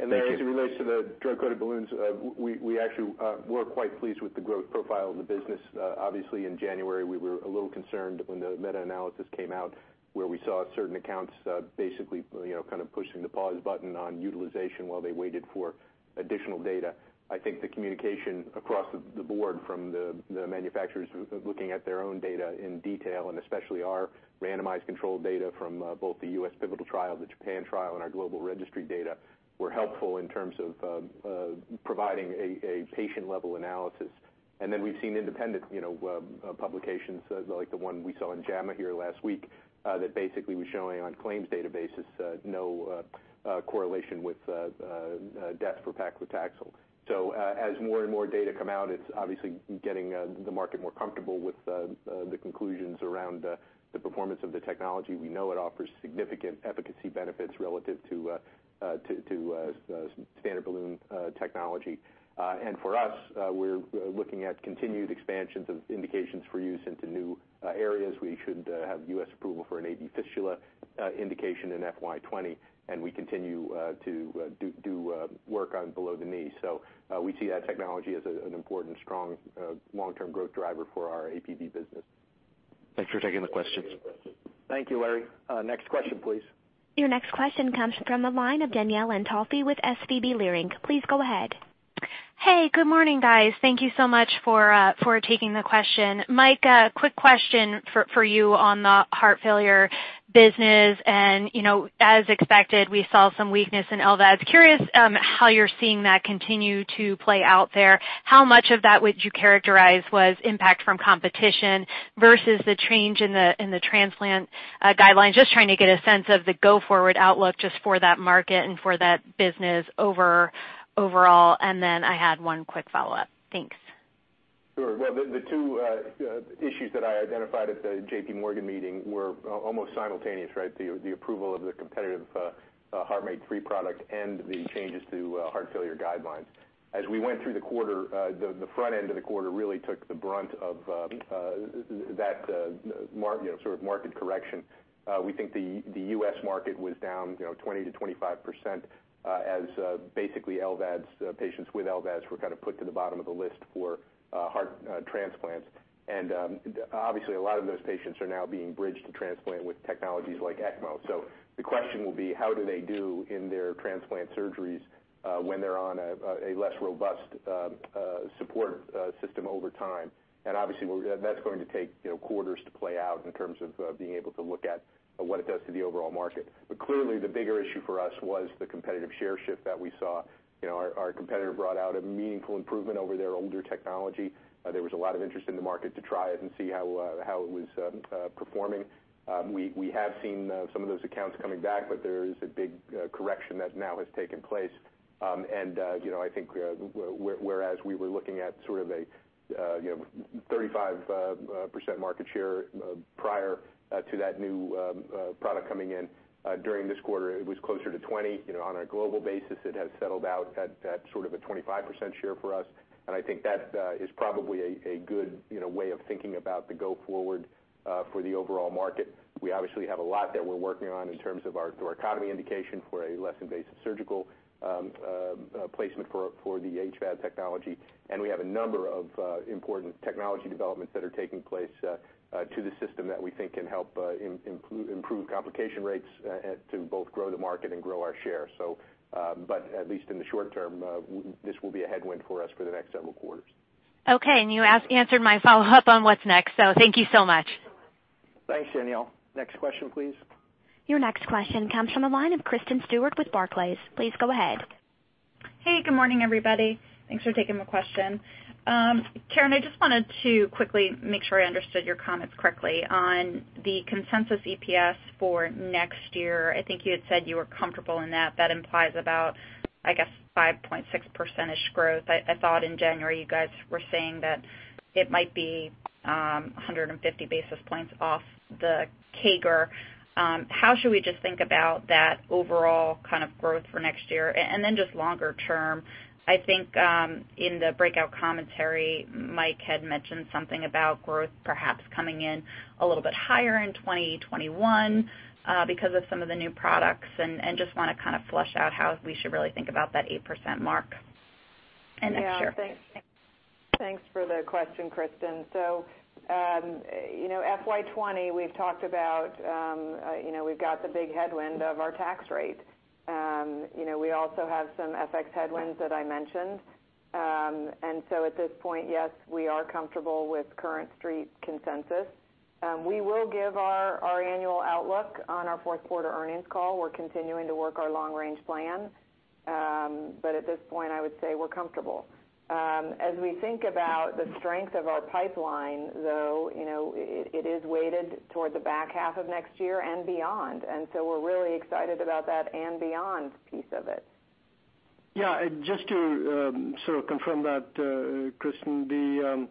Speaker 10: Larry, as it relates to the drug-coated balloons, we actually were quite pleased with the growth profile of the business. Obviously, in January, we were a little concerned when the meta-analysis came out where we saw certain accounts basically kind of pushing the pause button on utilization while they waited for additional data. I think the communication across the board from the manufacturers looking at their own data in detail, especially our randomized control data from both the U.S. pivotal trial, the Japan trial, and our global registry data, were helpful in terms of providing a patient-level analysis. Then we've seen independent publications, like the one we saw in JAMA here last week, that basically was showing on claims databases no correlation with death for paclitaxel. As more and more data come out, it's obviously getting the market more comfortable with the conclusions around the performance of the technology. We know it offers significant efficacy benefits relative to standard balloon technology. For us, we're looking at continued expansions of indications for use into new areas. We should have U.S. approval for an AV fistula indication in FY 2020, and we continue to do work on below the knee. We see that technology as an important, strong, long-term growth driver for our APV business.
Speaker 19: Thanks for taking the questions.
Speaker 3: Thank you, Larry. Next question, please.
Speaker 1: Your next question comes from the line of Danielle Antalffy with SVB Leerink. Please go ahead.
Speaker 20: Hey, good morning, guys. Thank you so much for taking the question. Mike, a quick question for you on the heart failure business. As expected, we saw some weakness in LVADs. Curious how you're seeing that continue to play out there. How much of that would you characterize was impact from competition versus the change in the transplant guidelines? Just trying to get a sense of the go-forward outlook just for that market and for that business overall. Then I had one quick follow-up. Thanks.
Speaker 10: Sure. Well, the two issues that I identified at the J.P. Morgan meeting were almost simultaneous, right? The approval of the competitive HeartMate 3 product and the changes to heart failure guidelines. As we went through the quarter, the front end of the quarter really took the brunt of that sort of market correction. We think the U.S. market was down 20%-25% as basically LVADs, patients with LVADs were kind of put to the bottom of the list for heart transplants. Obviously, a lot of those patients are now being bridged to transplant with technologies like ECMO. The question will be, how do they do in their transplant surgeries when they're on a less robust support system over time? Obviously, that's going to take quarters to play out in terms of being able to look at what it does to the overall market. Clearly the bigger issue for us was the competitive share shift that we saw. Our competitor brought out a meaningful improvement over their older technology. There was a lot of interest in the market to try it and see how it was performing. We have seen some of those accounts coming back, but there is a big correction that now has taken place. I think whereas we were looking at sort of a 35% market share prior to that new product coming in, during this quarter it was closer to 20%. On a global basis, it has settled out at sort of a 25% share for us, I think that is probably a good way of thinking about the go forward for the overall market. We obviously have a lot that we're working on in terms of our thoracotomy indication for a less invasive surgical placement for the HVAD technology. We have a number of important technology developments that are taking place to the system that we think can help improve complication rates to both grow the market and grow our share. At least in the short term, this will be a headwind for us for the next several quarters.
Speaker 20: Okay, you answered my follow-up on what's next. Thank you so much.
Speaker 2: Thanks, Danielle. Next question, please.
Speaker 1: Your next question comes from the line of Kristen Stewart with Barclays. Please go ahead.
Speaker 21: Hey, good morning, everybody. Thanks for taking my question. Karen, I just wanted to quickly make sure I understood your comments correctly on the consensus EPS for next year. I think you had said you were comfortable in that. That implies about, I guess, 5.6%-ish growth. I thought in January you guys were saying that it might be 150 basis points off the CAGR. How should we just think about that overall kind of growth for next year? Longer term, I think, in the breakout commentary, Mike had mentioned something about growth perhaps coming in a little bit higher in 2021 because of some of the new products, and just want to kind of flesh out how we should really think about that 8% mark in the next year.
Speaker 4: Yeah, thanks for the question, Kristen. FY 2020, we've talked about we've got the big headwind of our tax rate. We also have some FX headwinds that I mentioned. At this point, yes, we are comfortable with current Street consensus. We will give our annual outlook on our fourth quarter earnings call. We're continuing to work our long-range plan. At this point, I would say we're comfortable. As we think about the strength of our pipeline, though, it is weighted toward the back half of next year and beyond, and we're really excited about that and beyond piece of it.
Speaker 3: Yeah, just to sort of confirm that, Kristin,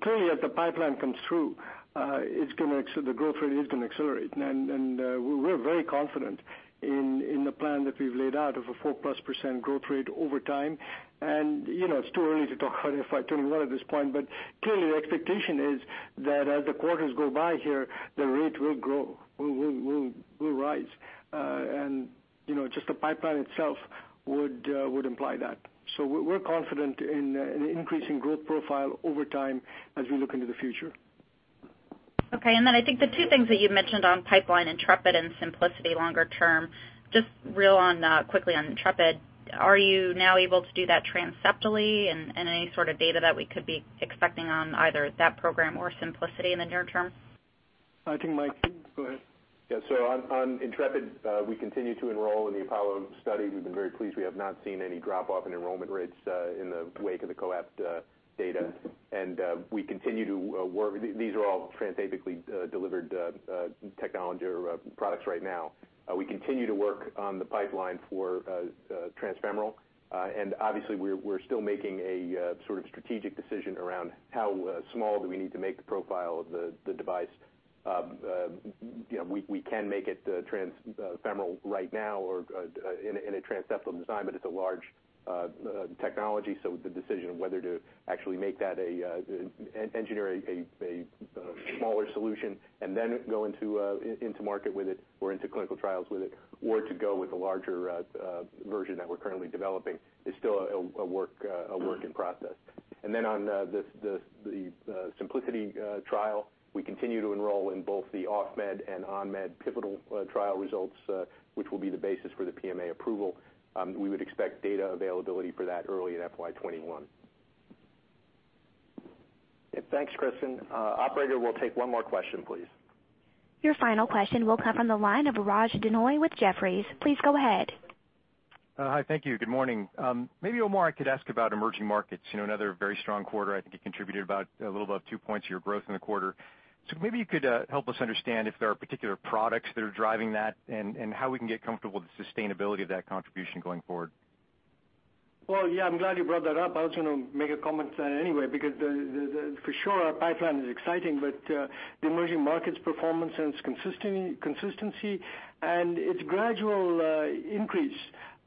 Speaker 3: clearly as the pipeline comes through, the growth rate is going to accelerate. We're very confident in the plan that we've laid out of a 4+% growth rate over time. It's too early to talk about FY 2021 at this point, but clearly the expectation is that as the quarters go by here, the rate will grow, will rise. Just the pipeline itself would imply that. We're confident in the increasing growth profile over time as we look into the future.
Speaker 21: I think the two things that you'd mentioned on pipeline, Intrepid and Symplicity longer term, just real quickly on Intrepid, are you now able to do that transseptally and any sort of data that we could be expecting on either that program or Symplicity in the near term?
Speaker 2: I think Mike, go ahead.
Speaker 10: Yeah. On Intrepid, we continue to enroll in the APOLLO study. We've been very pleased. We have not seen any drop-off in enrollment rates in the wake of the COAPT data. We continue to work. These are all transapically delivered technology or products right now. We continue to work on the pipeline for transfemoral. Obviously we're still making a sort of strategic decision around how small do we need to make the profile of the device. We can make it transfemoral right now or in a transseptal design, but it's a large technology, so the decision of whether to actually make that a engineer a smaller solution and then go into market with it or into clinical trials with it or to go with a larger version that we're currently developing is still a work in process. Then on the Symplicity trial, we continue to enroll in both the off-med and on-med pivotal trial results, which will be the basis for the PMA approval. We would expect data availability for that early in FY 2021.
Speaker 2: Thanks, Kristen. Operator, we'll take one more question, please.
Speaker 1: Your final question will come from the line of Raj Denhoy with Jefferies. Please go ahead.
Speaker 9: Hi, thank you. Good morning. Maybe, Omar, I could ask about emerging markets. Another very strong quarter. I think it contributed about a little above 2 points to your growth in the quarter. Maybe you could help us understand if there are particular products that are driving that, and how we can get comfortable with the sustainability of that contribution going forward.
Speaker 3: Well, yeah, I'm glad you brought that up. I was going to make a comment anyway, because for sure our pipeline is exciting, but the emerging markets performance and its consistency and its gradual increase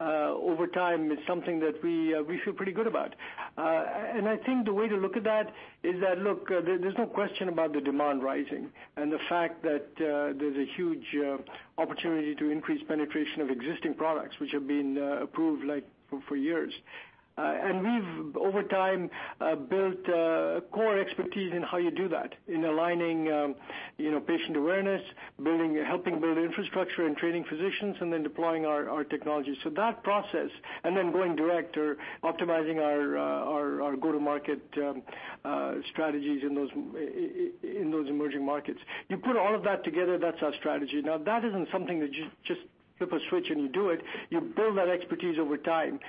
Speaker 3: over time is something that we feel pretty good about. I think the way to look at that is that, look, there's no question about the demand rising and the fact that there's a huge opportunity to increase penetration of existing products which have been approved for years. We've, over time, built a core expertise in how you do that, in aligning patient awareness, helping build infrastructure and training physicians, and then deploying our technologies. That process, and then going direct or optimizing our go-to-market strategies in those emerging markets. You put all of that together, that's our strategy. Now, that isn't something that you just flip a switch and you do it. You build that expertise over time.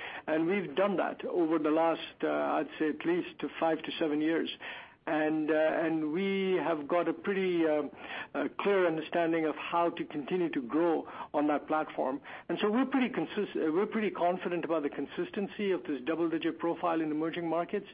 Speaker 3: We've done that over the last, I'd say, at least five to seven years. We have got a pretty clear understanding of how to continue to grow on that platform. We're pretty confident about the consistency of this double-digit profile in emerging markets.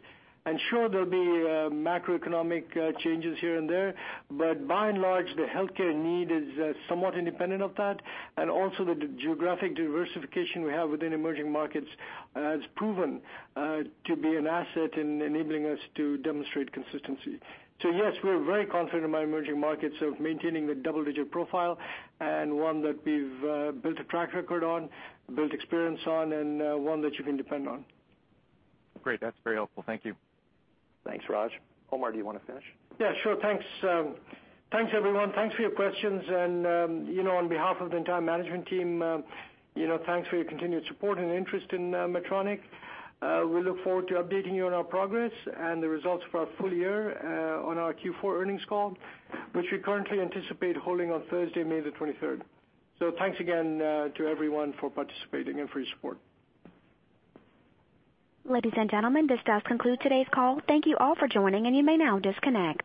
Speaker 3: Sure, there'll be macroeconomic changes here and there, but by and large, the healthcare need is somewhat independent of that. Also the geographic diversification we have within emerging markets has proven to be an asset in enabling us to demonstrate consistency. Yes, we're very confident about emerging markets of maintaining the double-digit profile and one that we've built a track record on, built experience on, and one that you can depend on.
Speaker 9: Great. That's very helpful. Thank you.
Speaker 2: Thanks, Raj. Omar, do you want to finish?
Speaker 3: Yeah, sure. Thanks, everyone. Thanks for your questions. On behalf of the entire management team, thanks for your continued support and interest in Medtronic. We look forward to updating you on our progress and the results for our full year on our Q4 earnings call, which we currently anticipate holding on Thursday, May the 23rd. Thanks again to everyone for participating and for your support.
Speaker 1: Ladies and gentlemen, this does conclude today's call. Thank you all for joining, and you may now disconnect.